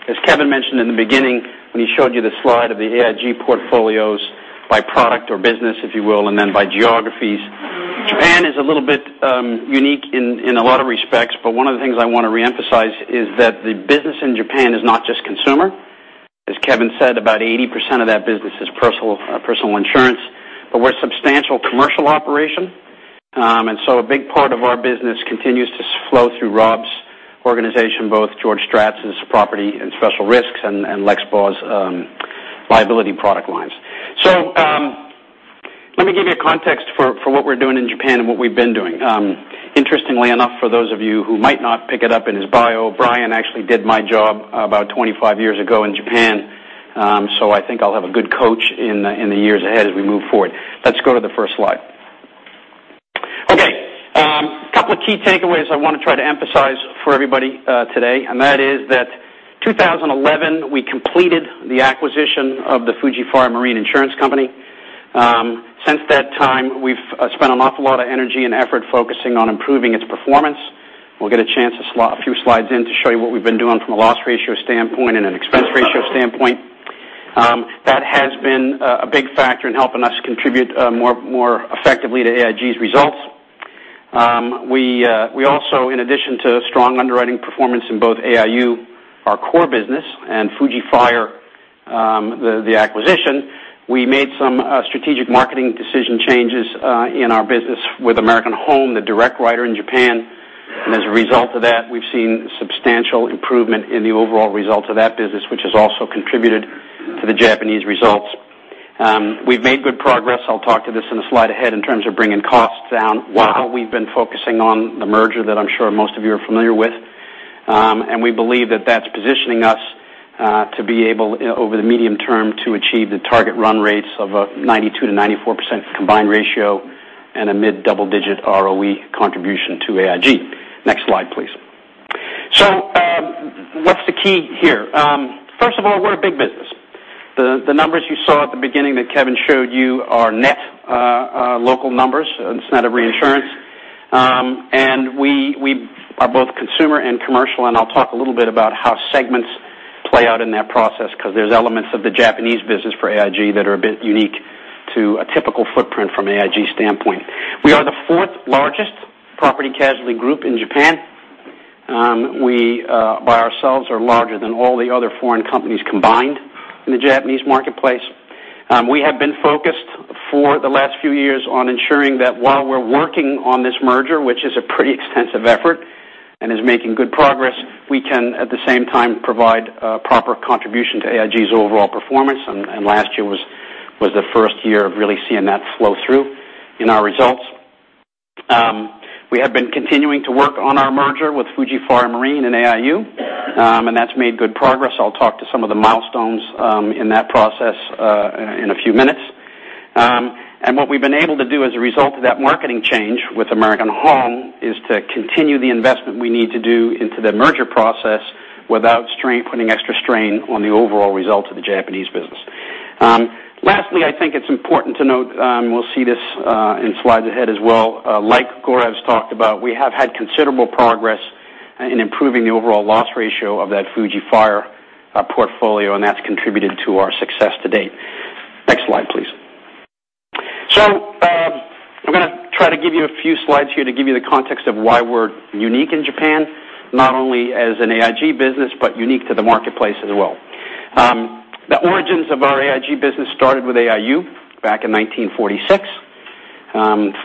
As Kevin mentioned in the beginning when he showed you the slide of the AIG portfolios by product or business, if you will, by geographies, Japan is a little bit unique in a lot of respects. One of the things I want to reemphasize is that the business in Japan is not just consumer. As Kevin said, about 80% of that business is personal insurance. We're a substantial commercial operation, a big part of our business continues to flow through Rob's organization, both George Stratts' property and special risks, and Lex Baugh's liability product lines. Let me give you a context for what we're doing in Japan and what we've been doing. Interestingly enough, for those of you who might not pick it up in his bio, Brian actually did my job about 25 years ago in Japan. I think I'll have a good coach in the years ahead as we move forward. Let's go to the first slide. Okay. Couple of key takeaways I want to try to emphasize for everybody today, and that is that 2011, we completed the acquisition of the Fuji Fire and Marine Insurance Company. Since that time, we've spent an awful lot of energy and effort focusing on improving its performance. We'll get a chance a few slides in to show you what we've been doing from a loss ratio standpoint and an expense ratio standpoint. That has been a big factor in helping us contribute more effectively to AIG's results. We also, in addition to strong underwriting performance in both AIU, our core business, and Fuji Fire, the acquisition, we made some strategic marketing decision changes in our business with American Home, the direct writer in Japan. As a result of that, we've seen substantial improvement in the overall results of that business, which has also contributed to the Japanese results. We've made good progress, I'll talk to this in the slide ahead, in terms of bringing costs down while we've been focusing on the merger that I'm sure most of you are familiar with. We believe that that's positioning us to be able, over the medium term, to achieve the target run rates of a 92%-94% combined ratio and a mid double-digit ROE contribution to AIG. Next slide, please. What's the key here? First of all, we're a big business. The numbers you saw at the beginning that Kevin showed you are net local numbers, it's net of reinsurance. We are both consumer and commercial, and I'll talk a little bit about how segments play out in that process, because there's elements of the Japanese business for AIG that are a bit unique to a typical footprint from AIG's standpoint. We are the fourth largest property casualty group in Japan. We, by ourselves, are larger than all the other foreign companies combined in the Japanese marketplace. We have been focused for the last few years on ensuring that while we're working on this merger, which is a pretty extensive effort and is making good progress, we can at the same time provide proper contribution to AIG's overall performance, and last year was the first year of really seeing that flow through in our results. We have been continuing to work on our merger with Fuji Fire Marine and AIU and that's made good progress. I'll talk to some of the milestones in that process in a few minutes. What we've been able to do as a result of that marketing change with American Home is to continue the investment we need to do into the merger process without putting extra strain on the overall results of the Japanese business. Lastly, I think it's important to note, we'll see this in slides ahead as well, like Gaurav has talked about, we have had considerable progress in improving the overall loss ratio of that Fuji Fire portfolio, and that's contributed to our success to date. Next slide, please. I'm going to try to give you a few slides here to give you the context of why we're unique in Japan, not only as an AIG business, but unique to the marketplace as well. The origins of our AIG business started with AIU back in 1946.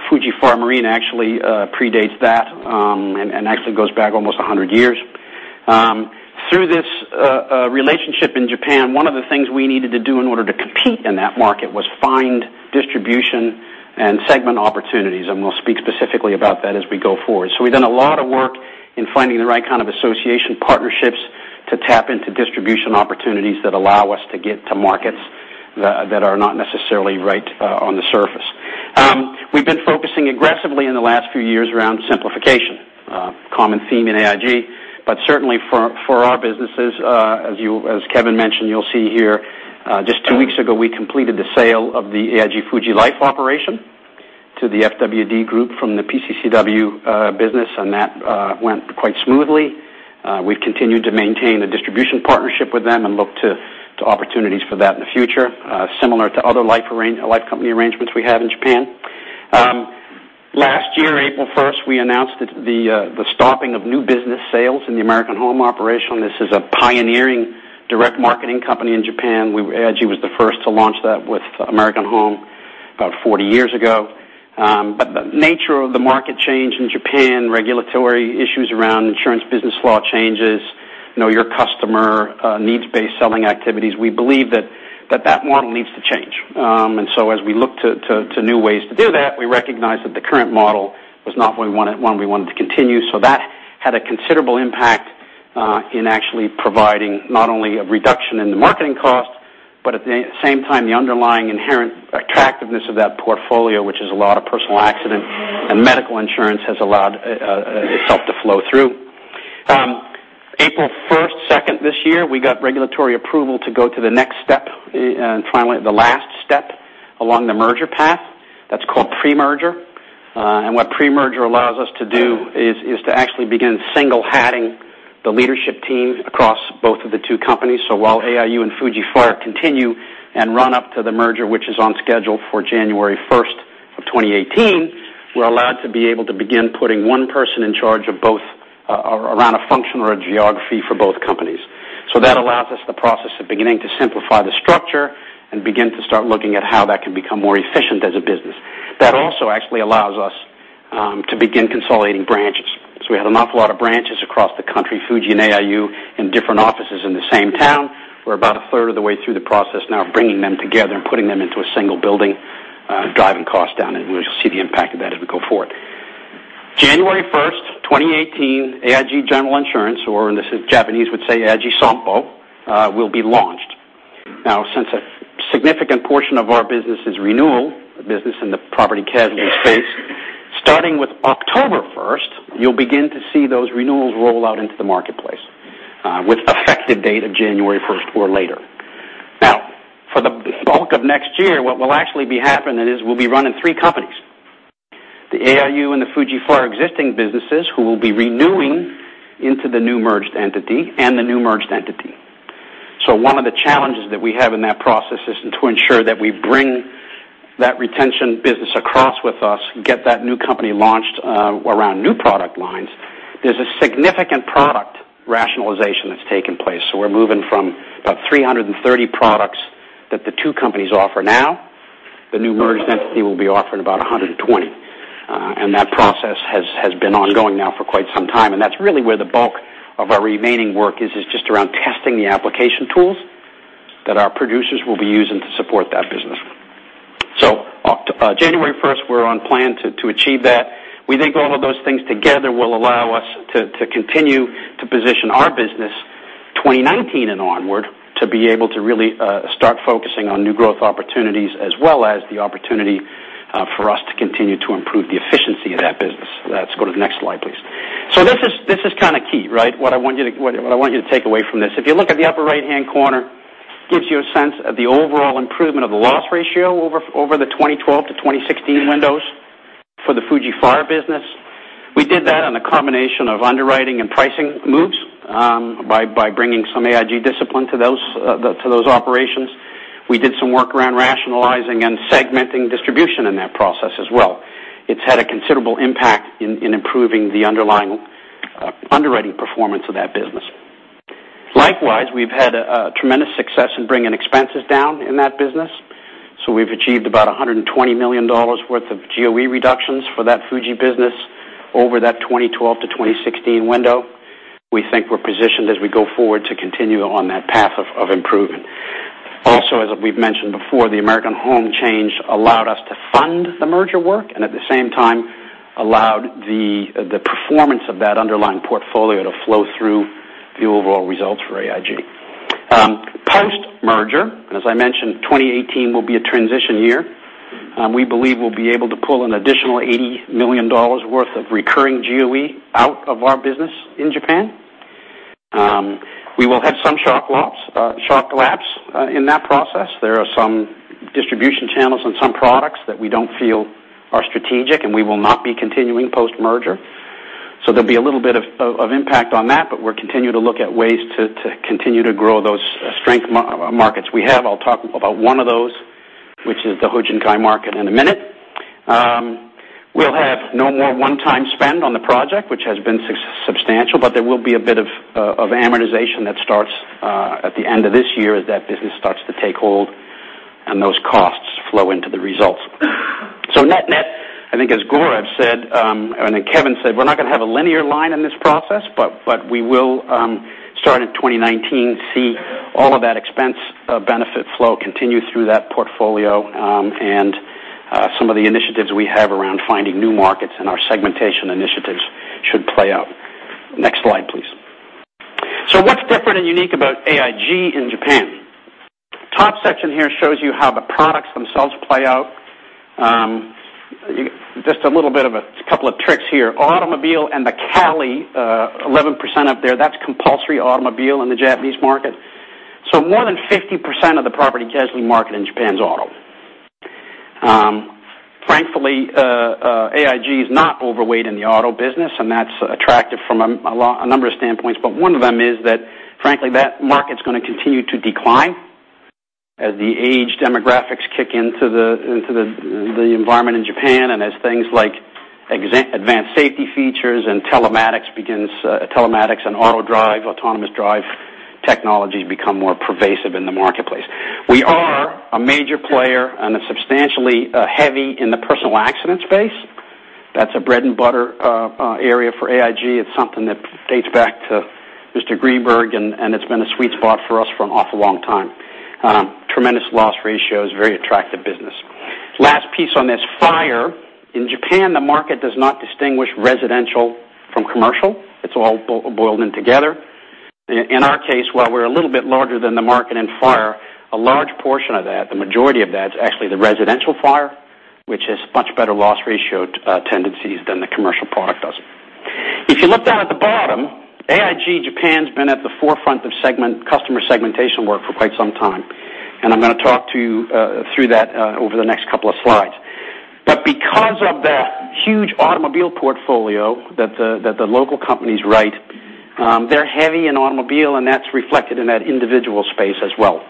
Fuji Fire Marine actually predates that and actually goes back almost 100 years. Through this relationship in Japan, one of the things we needed to do in order to compete in that market was find distribution and segment opportunities, and we'll speak specifically about that as we go forward. We've done a lot of work in finding the right kind of association partnerships to tap into distribution opportunities that allow us to get to markets that are not necessarily right on the surface. We've been focusing aggressively in the last few years around simplification. A common theme in AIG, but certainly for our businesses, as Kevin mentioned, you'll see here, just two weeks ago, we completed the sale of the AIG Fuji Life operation to the FWD Group from the PCCW business, that went quite smoothly. We've continued to maintain the distribution partnership with them and look to opportunities for that in the future, similar to other life company arrangements we have in Japan. Last year, April 1st, we announced the stopping of new business sales in the American Home operation. This is a pioneering direct marketing company in Japan. AIG was the first to launch that with American Home about 40 years ago. The nature of the market change in Japan, regulatory issues around insurance business law changes, your customer needs-based selling activities, we believe that that model needs to change. As we look to new ways to do that, we recognize that the current model was not one we wanted to continue. That had a considerable impact in actually providing not only a reduction in the marketing cost, but at the same time, the underlying inherent attractiveness of that portfolio, which is a lot of personal accident and medical insurance, has allowed itself to flow through. April 1st, 2nd this year, we got regulatory approval to go to the next step and finally the last step along the merger path. That's called pre-merger. What pre-merger allows us to do is to actually begin single hatting the leadership team across both of the two companies. While AIU and Fuji Fire continue and run up to the merger, which is on schedule for January 1st of 2018, we're allowed to be able to begin putting one person in charge of both around a function or a geography for both companies. That allows us the process of beginning to simplify the structure and begin to start looking at how that can become more efficient as a business. That also actually allows us to begin consolidating branches. We have an awful lot of branches across the country, Fuji and AIU, in different offices in the same town. We're about a third of the way through the process now of bringing them together and putting them into a single building, driving costs down, and we'll see the impact of that as we go forward. January 1st, 2018, AIG General Insurance, or in this Japanese would say AIG Sonpo, will be launched. Since a significant portion of our business is renewal business in the property casualty space, starting with October 1st, you'll begin to see those renewals roll out into the marketplace with effective date of January 1st or later. For the bulk of next year, what will actually be happening is we'll be running three companies. The AIU and the Fuji Fire existing businesses who will be renewing into the new merged entity and the new merged entity. One of the challenges that we have in that process is to ensure that we bring that retention business across with us, get that new company launched around new product lines. There's a significant product rationalization that's taken place. We're moving from about 330 products that the two companies offer now. The new merged entity will be offering about 120. That process has been ongoing now for quite some time, and that's really where the bulk of our remaining work is just around testing the application tools that our producers will be using to support that business. January 1st, we're on plan to achieve that. We think all of those things together will allow us to continue to position our business 2019 and onward to be able to really start focusing on new growth opportunities, as well as the opportunity for us to continue to improve the efficiency of that business. Let's go to the next slide, please. This is kind of key. What I want you to take away from this. If you look at the upper right-hand corner, gives you a sense of the overall improvement of the loss ratio over the 2012 to 2016 windows for the Fuji Fire business. We did that on a combination of underwriting and pricing moves by bringing some AIG discipline to those operations. We did some work around rationalizing and segmenting distribution in that process as well. It's had a considerable impact in improving the underlying underwriting performance of that business. Likewise, we've had tremendous success in bringing expenses down in that business. We've achieved about $120 million worth of GOE reductions for that Fuji business over that 2012 to 2016 window. We think we're positioned as we go forward to continue on that path of improvement. Also, as we've mentioned before, the American Home change allowed us to fund the merger work and at the same time allowed the performance of that underlying portfolio to flow through the overall results for AIG. Post-merger, as I mentioned, 2018 will be a transition year. We believe we'll be able to pull an additional $80 million worth of recurring GOE out of our business in Japan. We will have some shock lapse in that process. There are some distribution channels and some products that we don't feel are strategic, and we will not be continuing post-merger. There'll be a little bit of impact on that, but we'll continue to look at ways to continue to grow those strength markets we have. I'll talk about one of those, which is the Hojinkai market in a minute. We'll have no more one-time spend on the project, which has been substantial, but there will be a bit of amortization that starts at the end of this year as that business starts to take hold and those costs flow into the results. Net-net, I think as Gaurav said, and Kevin said, we're not going to have a linear line in this process, but we will start in 2019, see all of that expense benefit flow continue through that portfolio. Some of the initiatives we have around finding new markets and our segmentation initiatives should play out. Next slide, please. What's different and unique about AIG in Japan? Top section here shows you how the products themselves play out. Just a little bit of a couple of tricks here. Automobile and the CALI, 11% up there, that's compulsory automobile in the Japanese market. More than 50% of the property casualty market in Japan is auto. Frankly, AIG is not overweight in the auto business, and that's attractive from a number of standpoints. One of them is that, frankly, that market's going to continue to decline as the age demographics kick into the environment in Japan and as things like advanced safety features and telematics and auto drive, autonomous drive technologies become more pervasive in the marketplace. We are a major player and substantially heavy in the personal accident space. That's a bread and butter area for AIG. It's something that dates back to Mr. Greenberg, and it's been a sweet spot for us for an awful long time. Tremendous loss ratios, very attractive business. Last piece on this, fire. In Japan, the market does not distinguish residential from commercial. It's all boiled in together. In our case, while we're a little bit larger than the market in fire, a large portion of that, the majority of that is actually the residential fire, which has much better loss ratio tendencies than the commercial product does. If you look down at the bottom, AIG Japan's been at the forefront of customer segmentation work for quite some time, and I'm going to talk to you through that over the next couple of slides. Because of that huge automobile portfolio that the local companies write, they're heavy in automobile, and that's reflected in that individual space as well.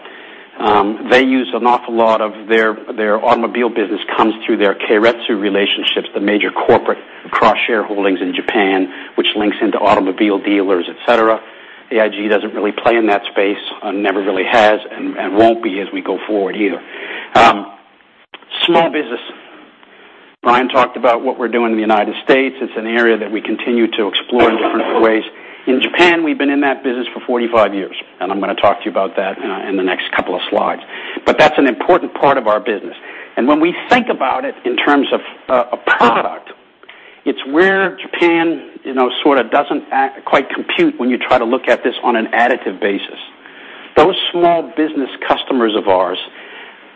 An awful lot of their automobile business comes through their Keiretsu relationships, the major corporate cross-shareholdings in Japan, which links into automobile dealers, et cetera. AIG doesn't really play in that space and never really has and won't be as we go forward either. Small business. Brian talked about what we're doing in the United States. It's an area that we continue to explore in different ways. In Japan, we've been in that business for 45 years, and I'm going to talk to you about that in the next couple of slides. That's an important part of our business. When we think about it in terms of a product, it's where Japan sort of doesn't quite compute when you try to look at this on an additive basis. Those small business customers of ours,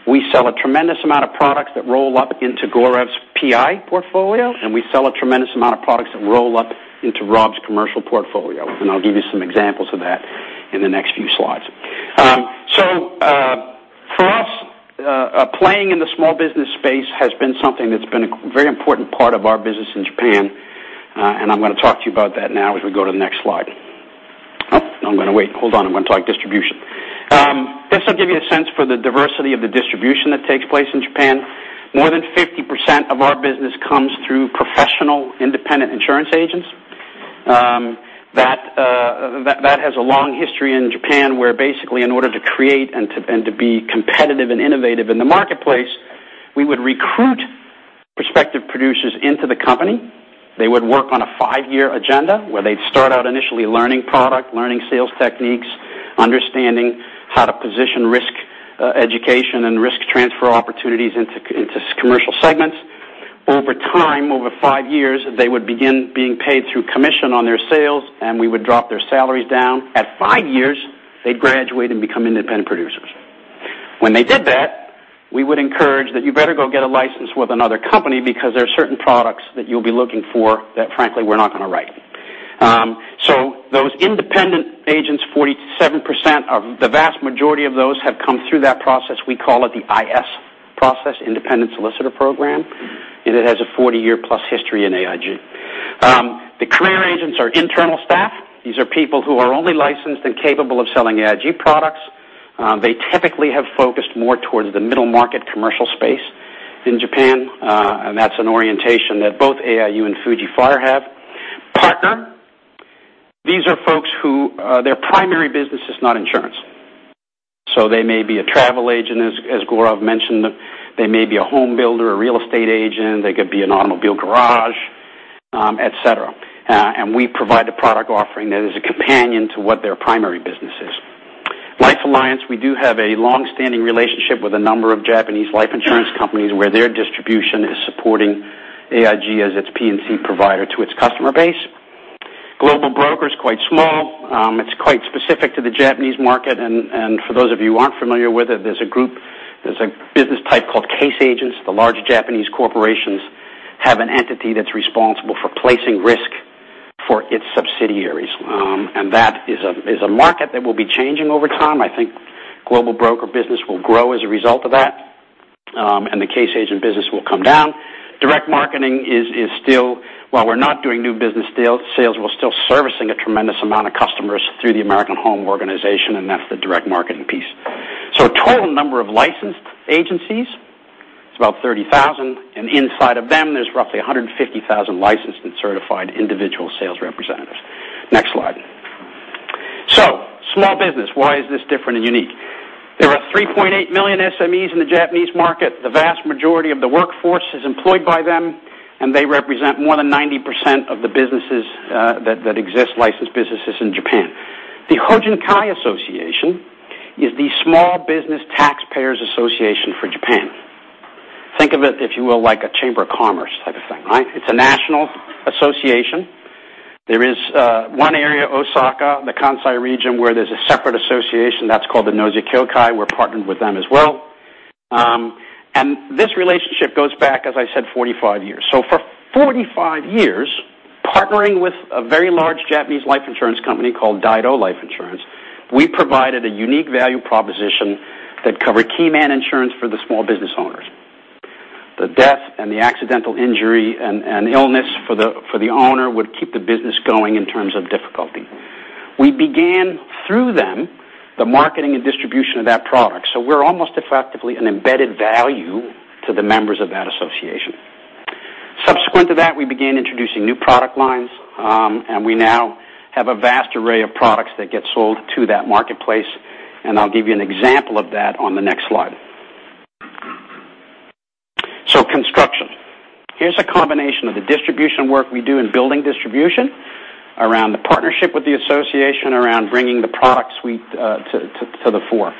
we sell a tremendous amount of products that roll up into Gaurav's PI portfolio, and we sell a tremendous amount of products that roll up into Rob's commercial portfolio, and I'll give you some examples of that in the next few slides. Playing in the small business space has been something that's been a very important part of our business in Japan. I'm going to talk to you about that now as we go to the next slide. No, I'm going to wait. Hold on, I'm going to talk distribution. This will give you a sense for the diversity of the distribution that takes place in Japan. More than 50% of our business comes through professional, independent insurance agents. That has a long history in Japan, where basically in order to create and to be competitive and innovative in the marketplace, we would recruit prospective producers into the company. They would work on a five-year agenda where they'd start out initially learning product, learning sales techniques, understanding how to position risk education and risk transfer opportunities into commercial segments. Over time, over five years, they would begin being paid through commission on their sales, and we would drop their salaries down. At five years, they'd graduate and become independent producers. When they did that, we would encourage that you better go get a license with another company because there are certain products that you'll be looking for that frankly, we're not going to write. Those independent agents, 47% of the vast majority of those have come through that process. We call it the IS process, independent solicitor program, and it has a 40-year plus history in AIG. The career agents are internal staff. These are people who are only licensed and capable of selling AIG products. They typically have focused more towards the middle market commercial space in Japan, and that's an orientation that both AIU and Fuji Fire have. Partner, these are folks who their primary business is not insurance. They may be a travel agent, as Gaurav mentioned. They may be a home builder, a real estate agent, they could be an automobile garage, et cetera. We provide a product offering that is a companion to what their primary business is. Life Alliance, we do have a long-standing relationship with a number of Japanese life insurance companies where their distribution is supporting AIG as its P&C provider to its customer base. Global brokers, quite small. It's quite specific to the Japanese market, and for those of you who aren't familiar with it, there's a group, there's a business type called case agents. The large Japanese corporations have an entity that's responsible for placing risk for its subsidiaries. That is a market that will be changing over time. I think global broker business will grow as a result of that, and the case agent business will come down. Direct marketing is still, while we're not doing new business sales, we're still servicing a tremendous amount of customers through the American Home organization, and that's the direct marketing piece. Total number of licensed agencies is about 30,000, and inside of them there's roughly 150,000 licensed and certified individual sales representatives. Next slide. Small business, why is this different and unique? There are 3.8 million SMEs in the Japanese market. The vast majority of the workforce is employed by them, and they represent more than 90% of the businesses that exist, licensed businesses in Japan. The Hojinkai Association is the small business taxpayers association for Japan. Think of it, if you will, like a chamber of commerce type of thing, right? It's a national association. There is one area, Osaka, the Kansai region, where there's a separate association that's called the Nozei Kyokai. We're partnered with them as well. This relationship goes back, as I said, 45 years. For 45 years, partnering with a very large Japanese life insurance company called Daido Life Insurance, we provided a unique value proposition that covered key man insurance for the small business owners. The death and the accidental injury and illness for the owner would keep the business going in terms of difficulty. We began through them the marketing and distribution of that product. We're almost effectively an embedded value to the members of that association. Subsequent to that, we began introducing new product lines, and we now have a vast array of products that get sold to that marketplace, I'll give you an example of that on the next slide. Construction, here's a combination of the distribution work we do in building distribution around the partnership with the association around bringing the product suite to the fore.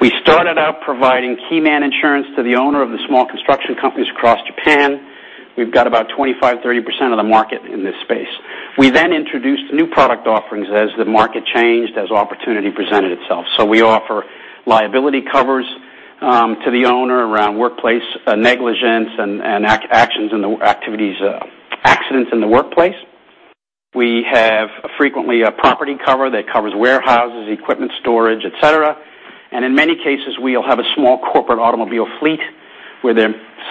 We started out providing key man insurance to the owner of the small construction companies across Japan. We've got about 25%, 30% of the market in this space. We introduced new product offerings as the market changed, as opportunity presented itself. We offer liability covers to the owner around workplace negligence and accidents in the workplace. We have frequently a property cover that covers warehouses, equipment storage, et cetera. In many cases, we'll have a small corporate automobile fleet where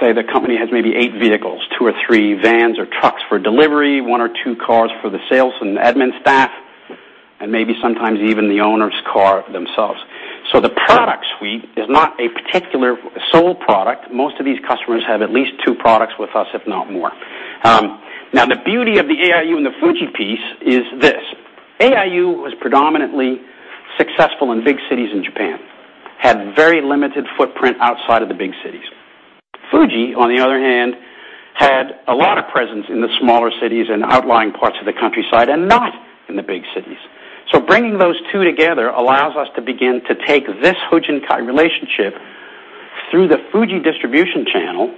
say the company has maybe eight vehicles, two or three vans or trucks for delivery, one or two cars for the sales and admin staff, and maybe sometimes even the owner's car themselves. The product suite is not a particular sole product. Most of these customers have at least two products with us, if not more. The beauty of the AIU and the Fuji piece is this. AIU was predominantly successful in big cities in Japan, had very limited footprint outside of the big cities. Fuji, on the other hand, had a lot of presence in the smaller cities and outlying parts of the countryside and not in the big cities. Bringing those two together allows us to begin to take this Hojinkai relationship through the Fuji distribution channel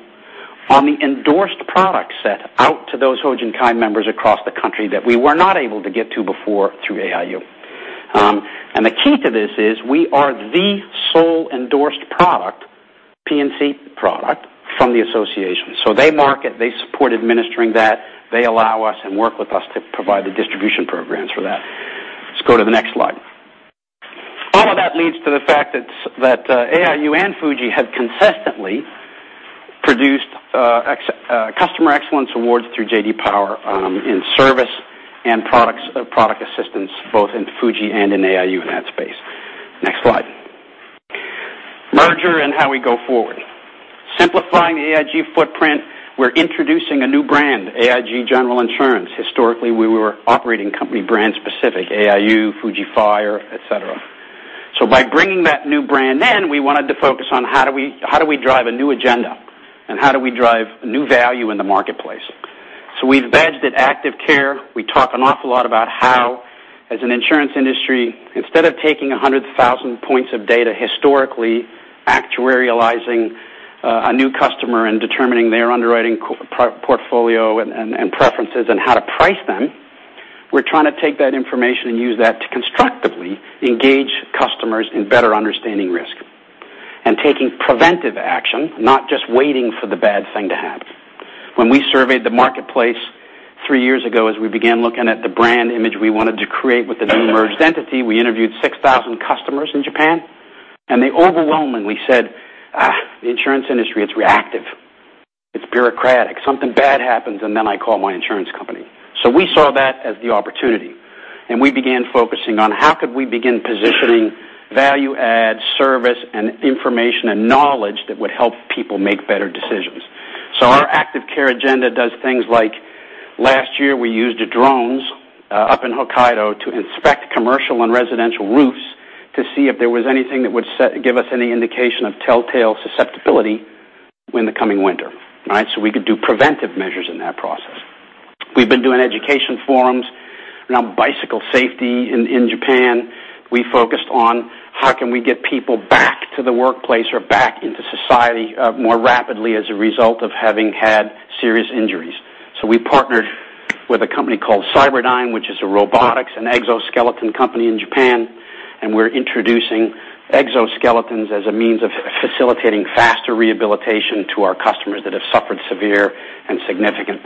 on the endorsed product set out to those Hojinkai members across the country that we were not able to get to before through AIU. The key to this is we are the sole endorsed product, P&C product from the association. They market, they support administering that. They allow us and work with us to provide the distribution programs for that. Let's go to the next slide. All of that leads to the fact that AIU and Fuji have consistently produced customer excellence awards through J.D. Power in service and product assistance, both in Fuji and in AIU in that space. Next slide. Merger and how we go forward. Simplifying the AIG footprint, we're introducing a new brand, AIG General Insurance. Historically, we were operating company brand specific, AIU, Fuji Fire, et cetera. By bringing that new brand in, we wanted to focus on how do we drive a new agenda, how do we drive new value in the marketplace? We've hedged at Active Care. We talk an awful lot about how, as an insurance industry, instead of taking 100,000 points of data historically, actuarializing a new customer and determining their underwriting portfolio and preferences and how to price them, we're trying to take that information and use that to constructively engage customers in better understanding risk and taking preventive action, not just waiting for the bad thing to happen. When we surveyed the marketplace three years ago, as we began looking at the brand image we wanted to create with the new merged entity, we interviewed 6,000 customers in Japan, and they overwhelmingly said, "Ugh, the insurance industry, it's reactive. It's bureaucratic. Something bad happens, and then I call my insurance company." We saw that as the opportunity, and we began focusing on how could we begin positioning value add service and information and knowledge that would help people make better decisions. Our Active Care agenda does things like last year, we used drones up in Hokkaido to inspect commercial and residential roofs to see if there was anything that would give us any indication of telltale susceptibility in the coming winter. We could do preventive measures in that process. We've been doing education forums around bicycle safety in Japan. We focused on how can we get people back to the workplace or back into society more rapidly as a result of having had serious injuries. We partnered with a company called Cyberdyne, which is a robotics and exoskeleton company in Japan, and we're introducing exoskeletons as a means of facilitating faster rehabilitation to our customers that have suffered severe and significant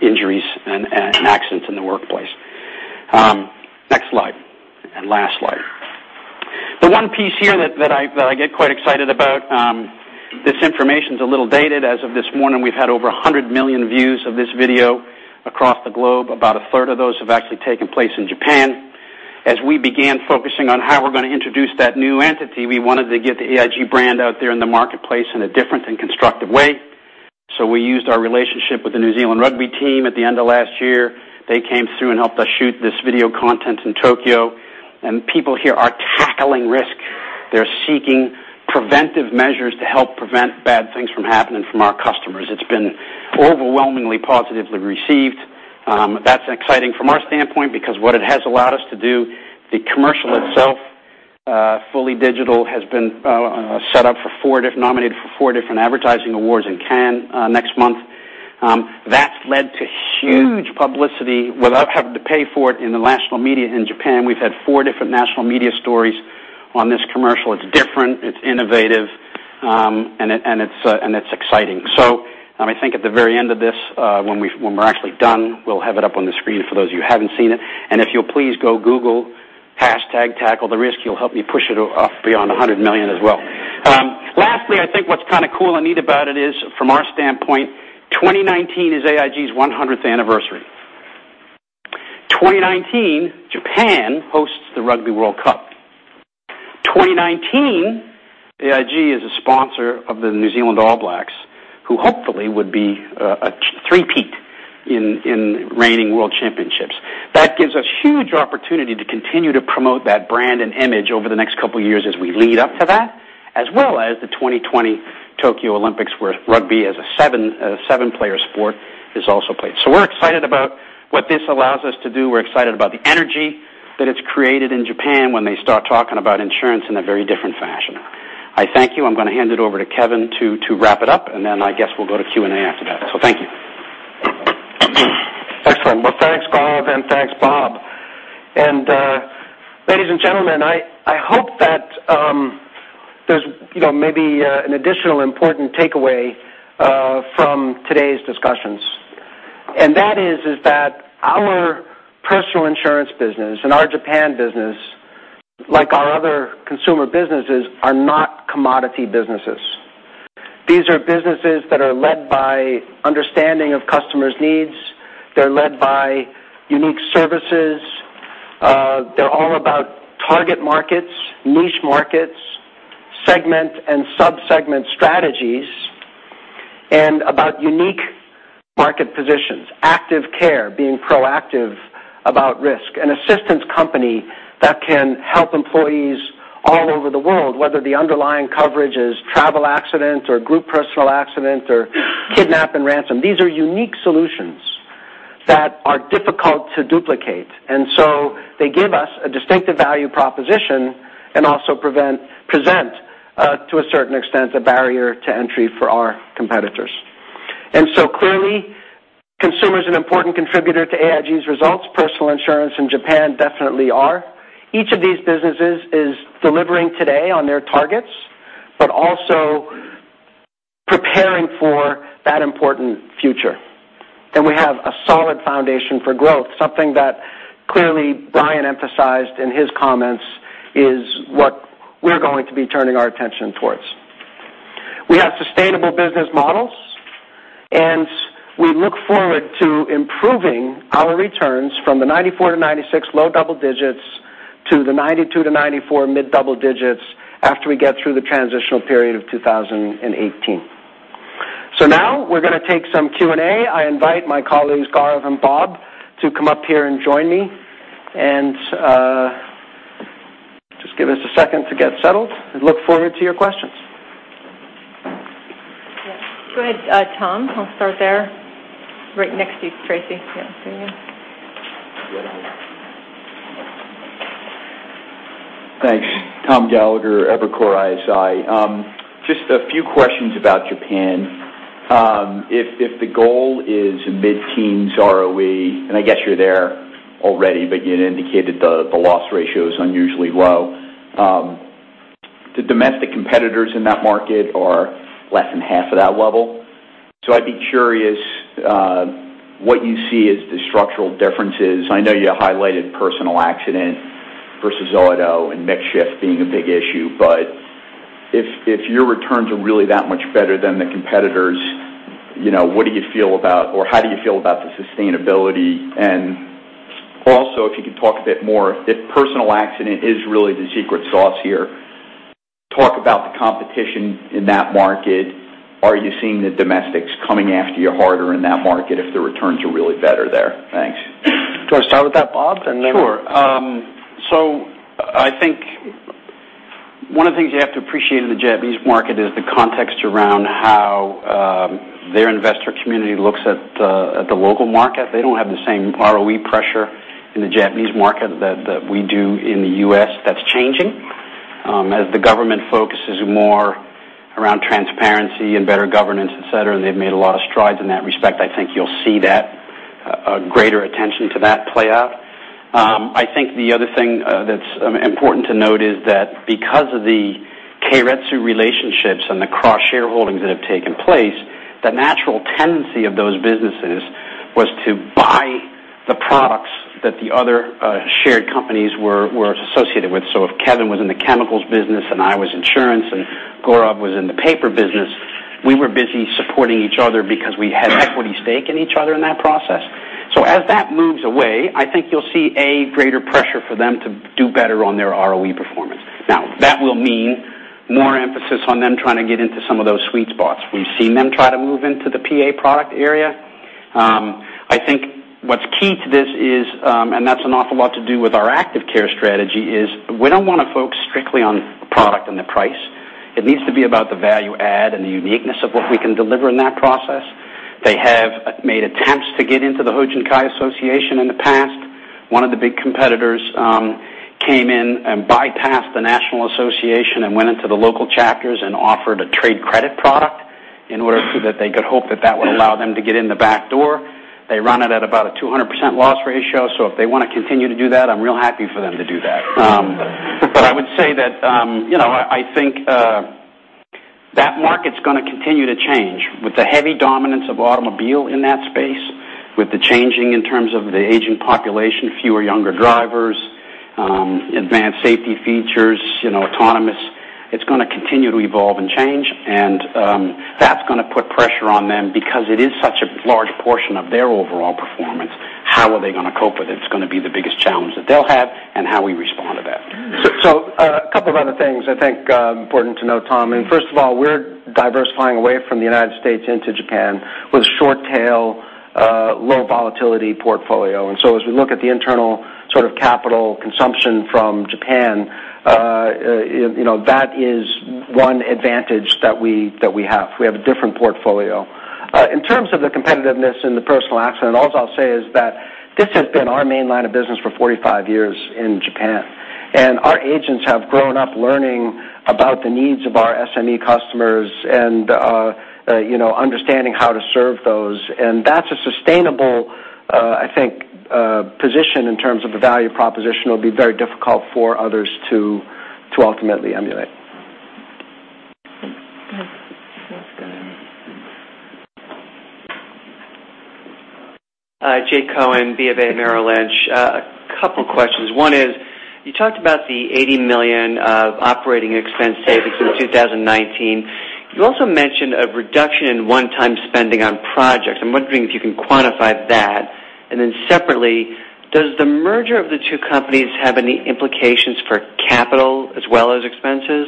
injuries and accidents in the workplace. Next slide and last slide. The one piece here that I get quite excited about, this information is a little dated. As of this morning, we've had over 100 million views of this video across the globe. About a third of those have actually taken place in Japan. As we began focusing on how we're going to introduce that new entity, we wanted to get the AIG brand out there in the marketplace in a different and constructive way. We used our relationship with the New Zealand rugby team at the end of last year. They came through and helped us shoot this video content in Tokyo. People here are tackling risk. They're seeking preventive measures to help prevent bad things from happening from our customers. It's been overwhelmingly positively received. That's exciting from our standpoint because what it has allowed us to do, the commercial itself, fully digital, has been nominated for four different advertising awards in Cannes next month. That's led to huge publicity without having to pay for it in the national media in Japan. We've had four different national media stories on this commercial. It's different, it's innovative, and it's exciting. I think at the very end of this, when we're actually done, we'll have it up on the screen for those of you who haven't seen it. If you'll please go Google #TackleTheRisk, you'll help me push it up beyond 100 million as well. Lastly, I think what's kind of cool and neat about it is, from our standpoint, 2019 is AIG's 100th anniversary. 2019, Japan hosts the Rugby World Cup. 2019, AIG is a sponsor of the New Zealand All Blacks, who hopefully would be a three-peat in reigning World Championships. That gives us huge opportunity to continue to promote that brand and image over the next couple of years as we lead up to that, as well as the 2020 Tokyo Olympics, where rugby as a seven-player sport is also played. We're excited about what this allows us to do. We're excited about the energy that it's created in Japan when they start talking about insurance in a very different fashion. I thank you. I'm going to hand it over to Kevin to wrap it up, and then I guess we'll go to Q&A after that. Thank you. Excellent. Thanks, Bob, and thanks, Bob. Ladies and gentlemen, I hope that there's maybe an additional important takeaway from today's discussions, and that is that our personal insurance business and our Japan business, like our other consumer businesses, are not commodity businesses. These are businesses that are led by understanding of customers' needs. They're led by unique services. They're all about target markets, niche markets, segment and sub-segment strategies, and about unique market positions, Active Care, being proactive about risk. An assistance company that can help employees all over the world, whether the underlying coverage is travel accident or group personal accident or kidnap and ransom. These are unique solutions that are difficult to duplicate, They give us a distinctive value proposition and also present to a certain extent, a barrier to entry for our competitors. Clearly, consumer is an important contributor to AIG's results. Personal insurance in Japan definitely are. Each of these businesses is delivering today on their targets, but also preparing for that important future. We have a solid foundation for growth, something that clearly Brian emphasized in his comments is what we're going to be turning our attention towards. We have sustainable business models, and we look forward to improving our returns from the 94%-96% low double digits to the 92%-94% mid-double digits after we get through the transitional period of 2018. Now we're going to take some Q&A. I invite my colleagues, Gaurav and Bob, to come up here and join me. Just give us a second to get settled and look forward to your questions. Yeah. Go ahead, Tom. I'll start there. Right next to you, Tracy. Yeah, see you. Thanks. Tom Gallagher, Evercore ISI. Just a few questions about Japan. If the goal is mid-teens ROE, and I guess you're there already, but you had indicated the loss ratio is unusually low. The domestic competitors in that market are less than half of that level. I'd be curious, what you see as the structural differences? I know you highlighted personal accident versus auto and mix shift being a big issue, but if your returns are really that much better than the competitors, what do you feel about, or how do you feel about the sustainability? If you could talk a bit more, if personal accident is really the secret sauce here, talk about the competition in that market. Are you seeing the domestics coming after you harder in that market if the returns are really better there? Thanks. Do you want to start with that, Bob, and then- Sure. I think one of the things you have to appreciate in the Japanese market is the context around how their investor community looks at the local market. They don't have the same ROE pressure in the Japanese market that we do in the U.S. That's changing. As the government focuses more around transparency and better governance, et cetera, and they've made a lot of strides in that respect, I think you'll see that greater attention to that play out. I think the other thing that's important to note is that because of the keiretsu relationships and the cross-shareholdings that have taken place, the natural tendency of those businesses was to buy the products that the other shared companies were associated with. If Kevin was in the chemicals business and I was insurance and Gaurav was in the paper business, we were busy supporting each other because we had equity stake in each other in that process. As that moves away, I think you'll see a greater pressure for them to do better on their ROE performance. Now, that will mean more emphasis on them trying to get into some of those sweet spots. We've seen them try to move into the PA product area. I think what's key to this is, and that's an awful lot to do with our Active Care strategy, is we don't want to focus strictly on the product and the price. It needs to be about the value add and the uniqueness of what we can deliver in that process. They have made attempts to get into the Hojinkai association in the past. One of the big competitors came in and bypassed the National Association and went into the local chapters and offered a trade credit product in order so that they could hope that that would allow them to get in the back door. They run it at about a 200% loss ratio, if they want to continue to do that, I'm real happy for them to do that. I would say that I think that market's going to continue to change with the heavy dominance of automobile in that space, with the changing in terms of the aging population, fewer younger drivers, advanced safety features, autonomous. It's going to continue to evolve and change, and that's going to put pressure on them because it is such a large portion of their overall performance. How are they going to cope with it? It's going to be the biggest challenge that they'll have and how we respond to that. A couple of other things I think important to note, Tom. First of all, we're diversifying away from the U.S. into Japan with a short tail, low volatility portfolio. As we look at the internal capital consumption from Japan, that is one advantage that we have. We have a different portfolio. In terms of the competitiveness in the personal accident, all I'll say is that this has been our main line of business for 45 years in Japan, and our agents have grown up learning about the needs of our SME customers and understanding how to serve those. That's a sustainable position in terms of the value proposition will be very difficult for others to ultimately emulate. Good. Sounds good. Hi, Jay Cohen, BofA Merrill Lynch. A couple questions. One is, you talked about the $80 million of operating expense savings in 2019. You also mentioned a reduction in one-time spending on projects. I'm wondering if you can quantify that. Separately, does the merger of the two companies have any implications for capital as well as expenses?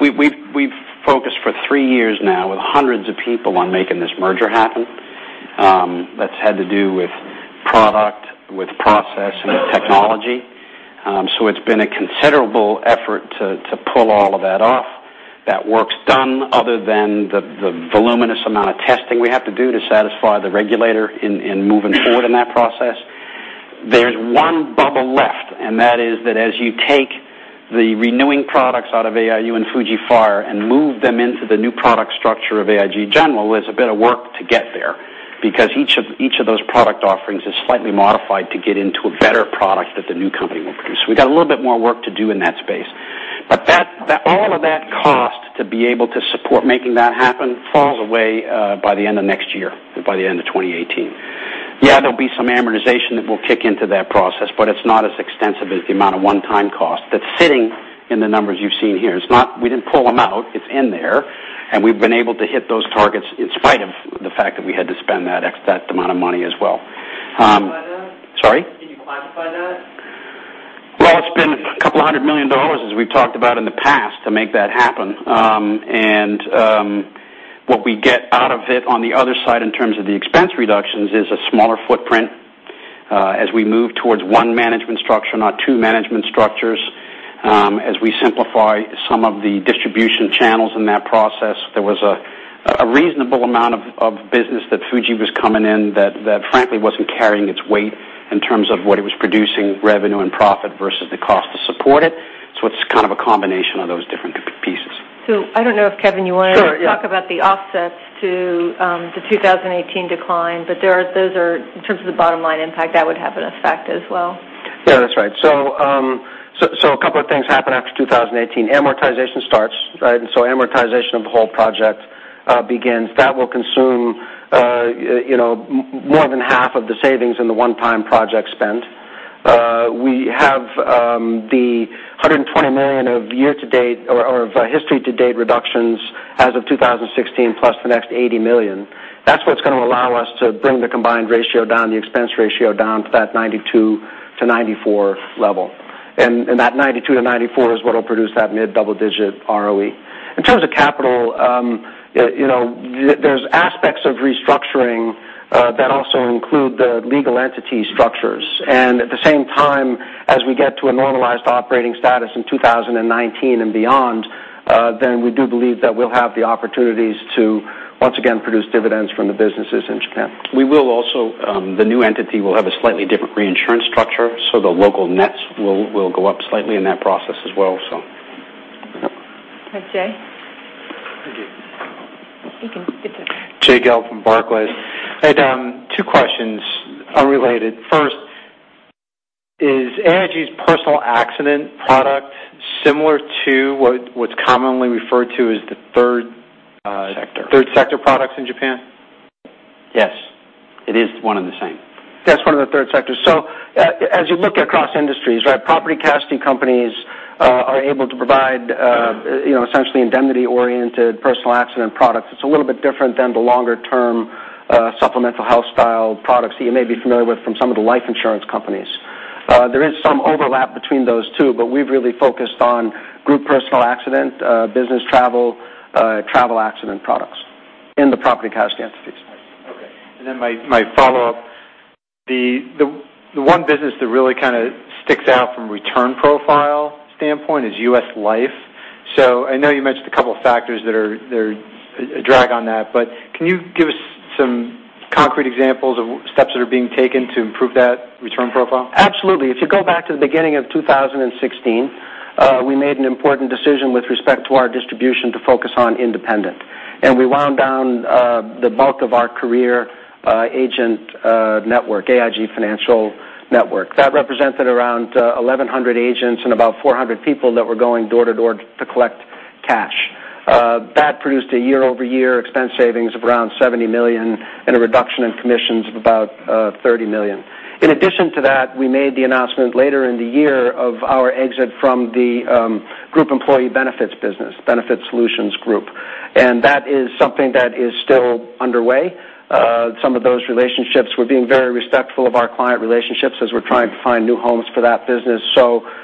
We've focused for three years now with hundreds of people on making this merger happen. That's had to do with product, with process, and technology. It's been a considerable effort to pull all of that off. That work's done other than the voluminous amount of testing we have to do to satisfy the regulator in moving forward in that process. There's one bubble left, and that is that as you take the renewing products out of AIU and Fuji Fire and move them into the new product structure of AIG General, there's a bit of work to get there because each of those product offerings is slightly modified to get into a better product that the new company will produce. We got a little bit more work to do in that space. That all of that cost to be able to support making that happen falls away by the end of next year, by the end of 2018. There'll be some amortization that will kick into that process, but it's not as extensive as the amount of one-time cost that's sitting in the numbers you've seen here. We didn't pull them out. It's in there, and we've been able to hit those targets in spite of the fact that we had to spend that amount of money as well. Can you clarify that? Sorry? Can you clarify that? Well, it's been $200 million, as we've talked about in the past, to make that happen. What we get out of it on the other side in terms of the expense reductions is a smaller footprint as we move towards one management structure, not two management structures. As we simplify some of the distribution channels in that process, there was a reasonable amount of business that Fuji was coming in that frankly wasn't carrying its weight in terms of what it was producing revenue and profit versus the cost to support it. It's kind of a combination of those different pieces. I don't know if, Kevin, you wanted to talk about the offsets to the 2018 decline, but in terms of the bottom line impact, that would have an effect as well. Yeah, that's right. A couple of things happen after 2018. Amortization starts, right? Amortization of the whole project begins. That will consume more than half of the savings in the one-time project spend. We have the $120 million of year-to-date or of history-to-date reductions as of 2016, plus the next $80 million. That's what's going to allow us to bring the combined ratio down, the expense ratio down to that 92%-94% level. That 92%-94% is what will produce that mid double-digit ROE. In terms of capital, there's aspects of restructuring that also include the legal entity structures. At the same time, as we get to a normalized operating status in 2019 and beyond, we do believe that we'll have the opportunities to once again produce dividends from the businesses in Japan. The new entity will have a slightly different reinsurance structure. The local nets will go up slightly in that process as well. Okay. Jay? Thank you. You can get that. Jay Gelb from Barclays. I had two questions unrelated. First, is AIG's personal accident product similar to what's commonly referred to as the third- Sector third sector products in Japan? Yes. It is one and the same. That's one of the third sectors. As you look across industries, property casualty companies are able to provide essentially indemnity-oriented personal accident products. It's a little bit different than the longer-term supplemental health style products that you may be familiar with from some of the life insurance companies. There is some overlap between those two, but we've really focused on group personal accident, business travel accident products in the property casualty entities. Right. Okay. My follow-up, the one business that really kind of sticks out from a return profile standpoint is U.S. Life. I know you mentioned a couple of factors that are a drag on that, but can you give us some concrete examples of steps that are being taken to improve that return profile? Absolutely. If you go back to the beginning of 2016, we made an important decision with respect to our distribution to focus on independent. We wound down the bulk of our career agent network, AIG Financial Network. That represented around 1,100 agents and about 400 people that were going door to door to collect cash. That produced a year-over-year expense savings of around $70 million and a reduction in commissions of about $30 million. In addition to that, we made the announcement later in the year of our exit from the group employee benefits business, AIG Benefit Solutions. That is something that is still underway. Some of those relationships, we're being very respectful of our client relationships as we're trying to find new homes for that business.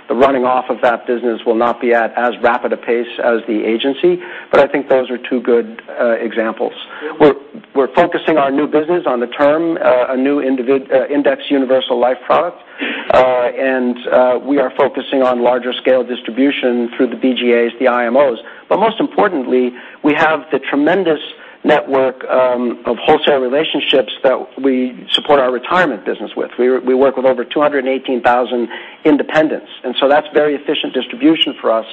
The running off of that business will not be at as rapid a pace as the agency. I think those are two good examples. We're focusing our new business on the term, a new index universal life product. We are focusing on larger scale distribution through the BGAs, the IMOs. Most importantly, we have the tremendous network of wholesale relationships that we support our retirement business with. We work with over 218,000 independents, so that's very efficient distribution for us.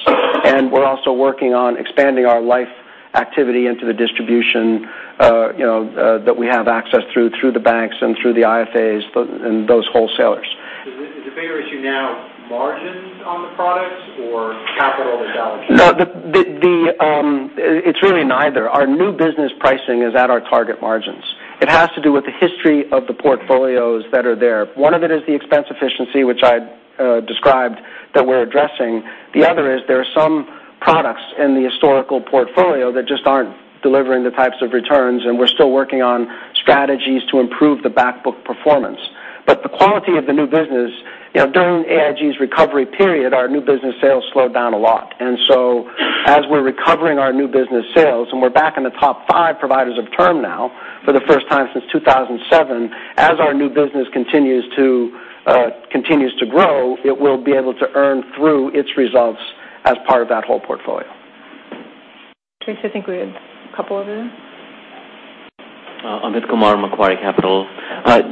We're also working on expanding our life activity into the distribution that we have access through the banks and through the IFAs and those wholesalers. Is the bigger issue now margins on the products or capital to balance sheet? It's really neither. Our new business pricing is at our target margins. It has to do with the history of the portfolios that are there. One of it is the expense efficiency, which I described that we're addressing. The other is there are some products in the historical portfolio that just aren't delivering the types of returns, and we're still working on strategies to improve the back book performance. The quality of the new business during AIG's recovery period, our new business sales slowed down a lot. As we're recovering our new business sales and we're back in the top 5 providers of term now for the first time since 2007, as our new business continues to grow, it will be able to earn through its results as part of that whole portfolio. Tracy, I think we had a couple over there. Amit Kumar, Macquarie Capital.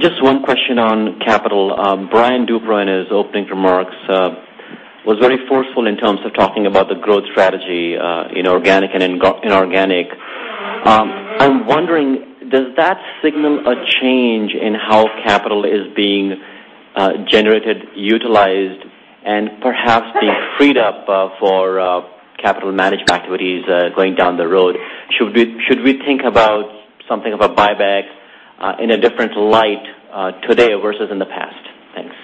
Just one question on capital. Brian Duperreault in his opening remarks was very forceful in terms of talking about the growth strategy Organic and inorganic. I'm wondering, does that signal a change in how capital is being generated, utilized, and perhaps being freed up for capital management activities going down the road? Should we think about something of a buyback in a different light today versus in the past? Thanks.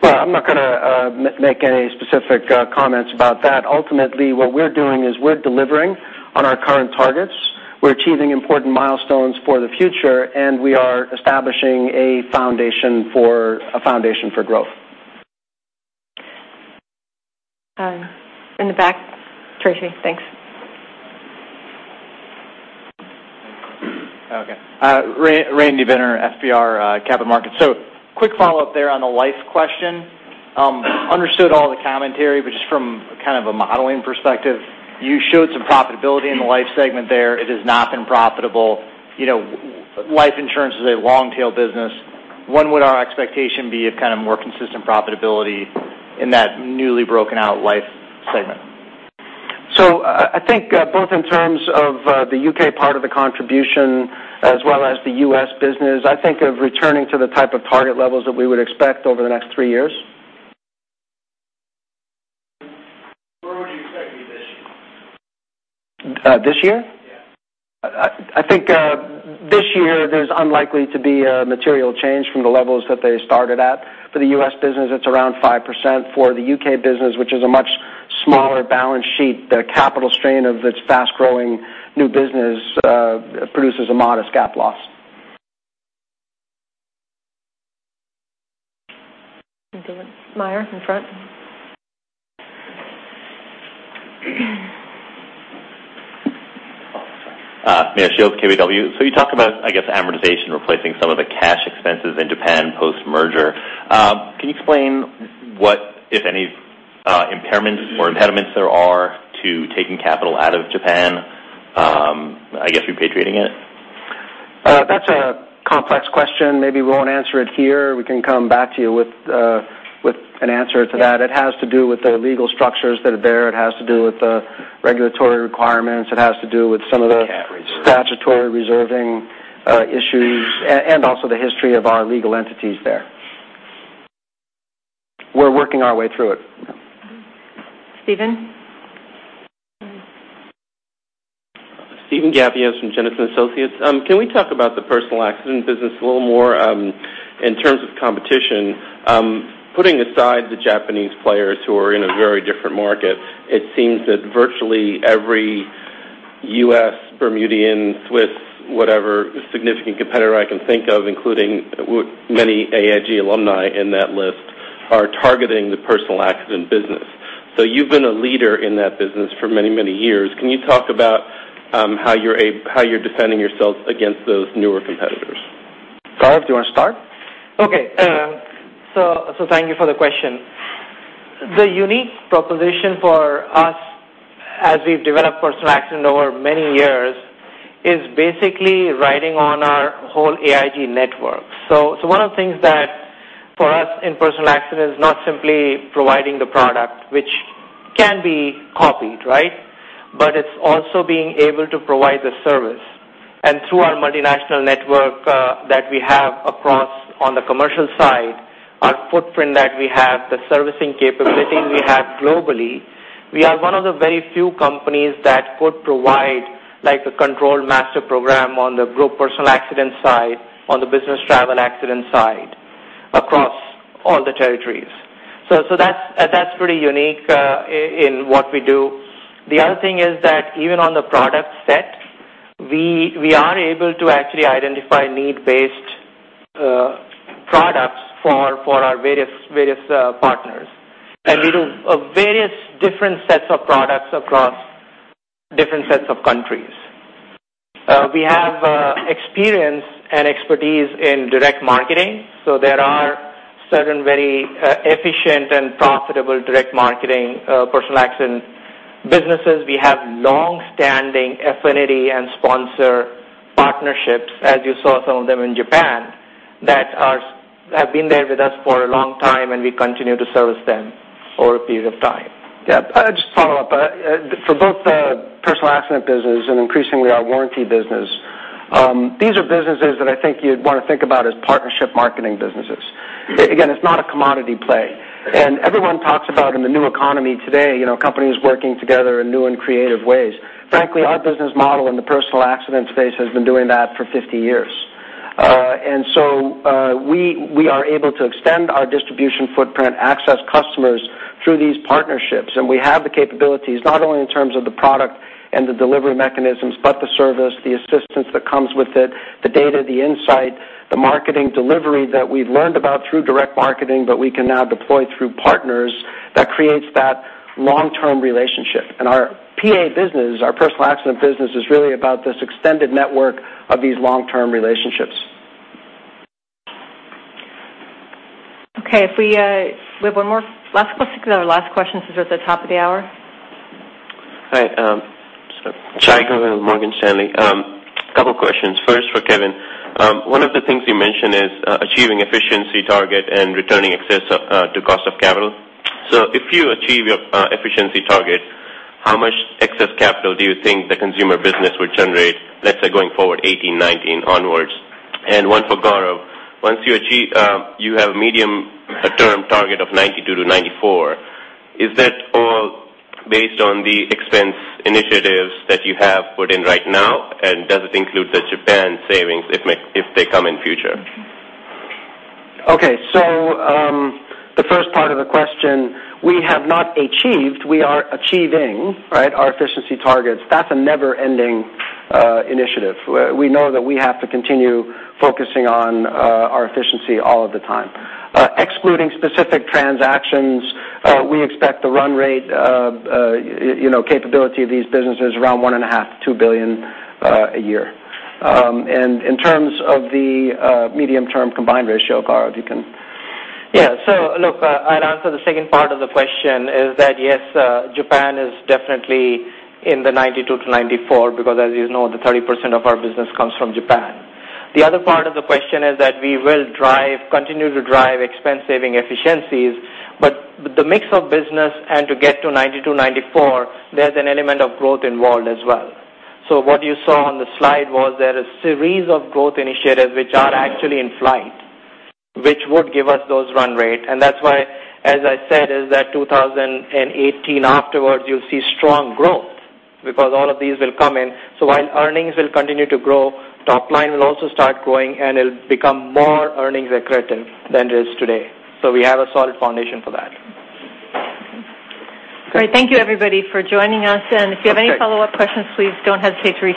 Well, I'm not going to make any specific comments about that. Ultimately, what we're doing is we're delivering on our current targets. We're achieving important milestones for the future, and we are establishing a foundation for growth. In the back. Tracy, thanks. Okay. Randy Binner, FBR Capital Markets. Quick follow-up there on the life question. Understood all the commentary, but just from kind of a modeling perspective, you showed some profitability in the life segment there. It has not been profitable. Life insurance is a long-tail business. When would our expectation be of kind of more consistent profitability in that newly broken-out life segment? I think both in terms of the U.K. part of the contribution as well as the U.S. business, I think of returning to the type of target levels that we would expect over the next three years. Where would you expect to be this year? This year? Yeah. I think this year there's unlikely to be a material change from the levels that they started at. For the U.S. business, it's around 5%. For the U.K. business, which is a much smaller balance sheet, the capital strain of its fast-growing new business produces a modest GAAP loss. We'll go with Meyer in front. Oh, sorry. Meyer Shields, KBW. You talk about, I guess, amortization replacing some of the cash expenses in Japan post-merger. Can you explain what, if any, impairments or impediments there are to taking capital out of Japan, I guess repatriating it? That's a complex question. Maybe we won't answer it here. We can come back to you with an answer to that. It has to do with the legal structures that are there. It has to do with the regulatory requirements. It has to do with some of the- They can't reserve. -statutory reserving issues and also the history of our legal entities there. We're working our way through it. Steven? Steven Gavios from Jennison Associates. Can we talk about the personal accident business a little more in terms of competition? Putting aside the Japanese players who are in a very different market, it seems that virtually every U.S., Bermudian, Swiss, whatever significant competitor I can think of, including many AIG alumni in that list, are targeting the personal accident business. You've been a leader in that business for many, many years. Can you talk about how you're defending yourself against those newer competitors? Gaurav, do you want to start? Okay. Thank you for the question. The unique proposition for us as we've developed personal accident over many years is basically riding on our whole AIG network. One of the things that for us in personal accident is not simply providing the product, which can be copied, right? But it's also being able to provide the service. Through our multinational network that we have across on the commercial side, our footprint that we have, the servicing capability we have globally, we are one of the very few companies that could provide, like, a controlled master program on the group personal accident side, on the business travel accident side, across all the territories. That's pretty unique in what we do. The other thing is that even on the product set, we are able to actually identify need-based products for our various partners. We do various different sets of products across different sets of countries. We have experience and expertise in direct marketing, so there are certain very efficient and profitable direct marketing personal accident businesses. We have long-standing affinity and sponsor partnerships, as you saw some of them in Japan, that have been there with us for a long time, and we continue to service them over a period of time. Yeah. Just to follow up. For both the personal accident business and increasingly our warranty business, these are businesses that I think you'd want to think about as partnership marketing businesses. Again, it's not a commodity play. Everyone talks about in the new economy today, companies working together in new and creative ways. Frankly, our business model in the personal accident space has been doing that for 50 years. We are able to extend our distribution footprint, access customers through these partnerships, and we have the capabilities not only in terms of the product and the delivery mechanisms, but the service, the assistance that comes with it, the data, the insight, the marketing delivery that we've learned about through direct marketing, but we can now deploy through partners that creates that long-term relationship. Our PA business, our personal accident business, is really about this extended network of these long-term relationships. Okay. We have one more. Last question since we're at the top of the hour. All right. Shailesh, Morgan Stanley. A couple questions. First for Kevin. One of the things you mentioned is achieving efficiency target and returning excess to cost of capital. If you achieve your efficiency target, how much excess capital do you think the consumer business will generate, let's say going forward 2018, 2019 onwards? One for Gaurav. You have medium term target of 92 to 94. Is that all based on the expense initiatives that you have put in right now? Does it include the Japan savings if they come in future? Okay. The first part of the question, we are achieving our efficiency targets. That's a never ending initiative. We know that we have to continue focusing on our efficiency all of the time. Excluding specific transactions, we expect the run rate capability of these businesses around $1.5 billion-$2 billion a year. In terms of the medium term combined ratio, Gaurav, you can Yeah. I'll answer the second part of the question is that, yes, Japan is definitely in the 92 to 94 because as you know, the 30% of our business comes from Japan. The other part of the question is that we will continue to drive expense saving efficiencies, but the mix of business and to get to 92, 94, there's an element of growth involved as well. What you saw on the slide was there are a series of growth initiatives which are actually in flight, which would give us those run rate. That's why, as I said, is that 2018 afterwards, you'll see strong growth because all of these will come in. While earnings will continue to grow, top line will also start growing, and it'll become more earnings accretive than it is today. We have a solid foundation for that. Great. Thank you everybody for joining us, and if you have any follow-up questions, please don't hesitate to reach out.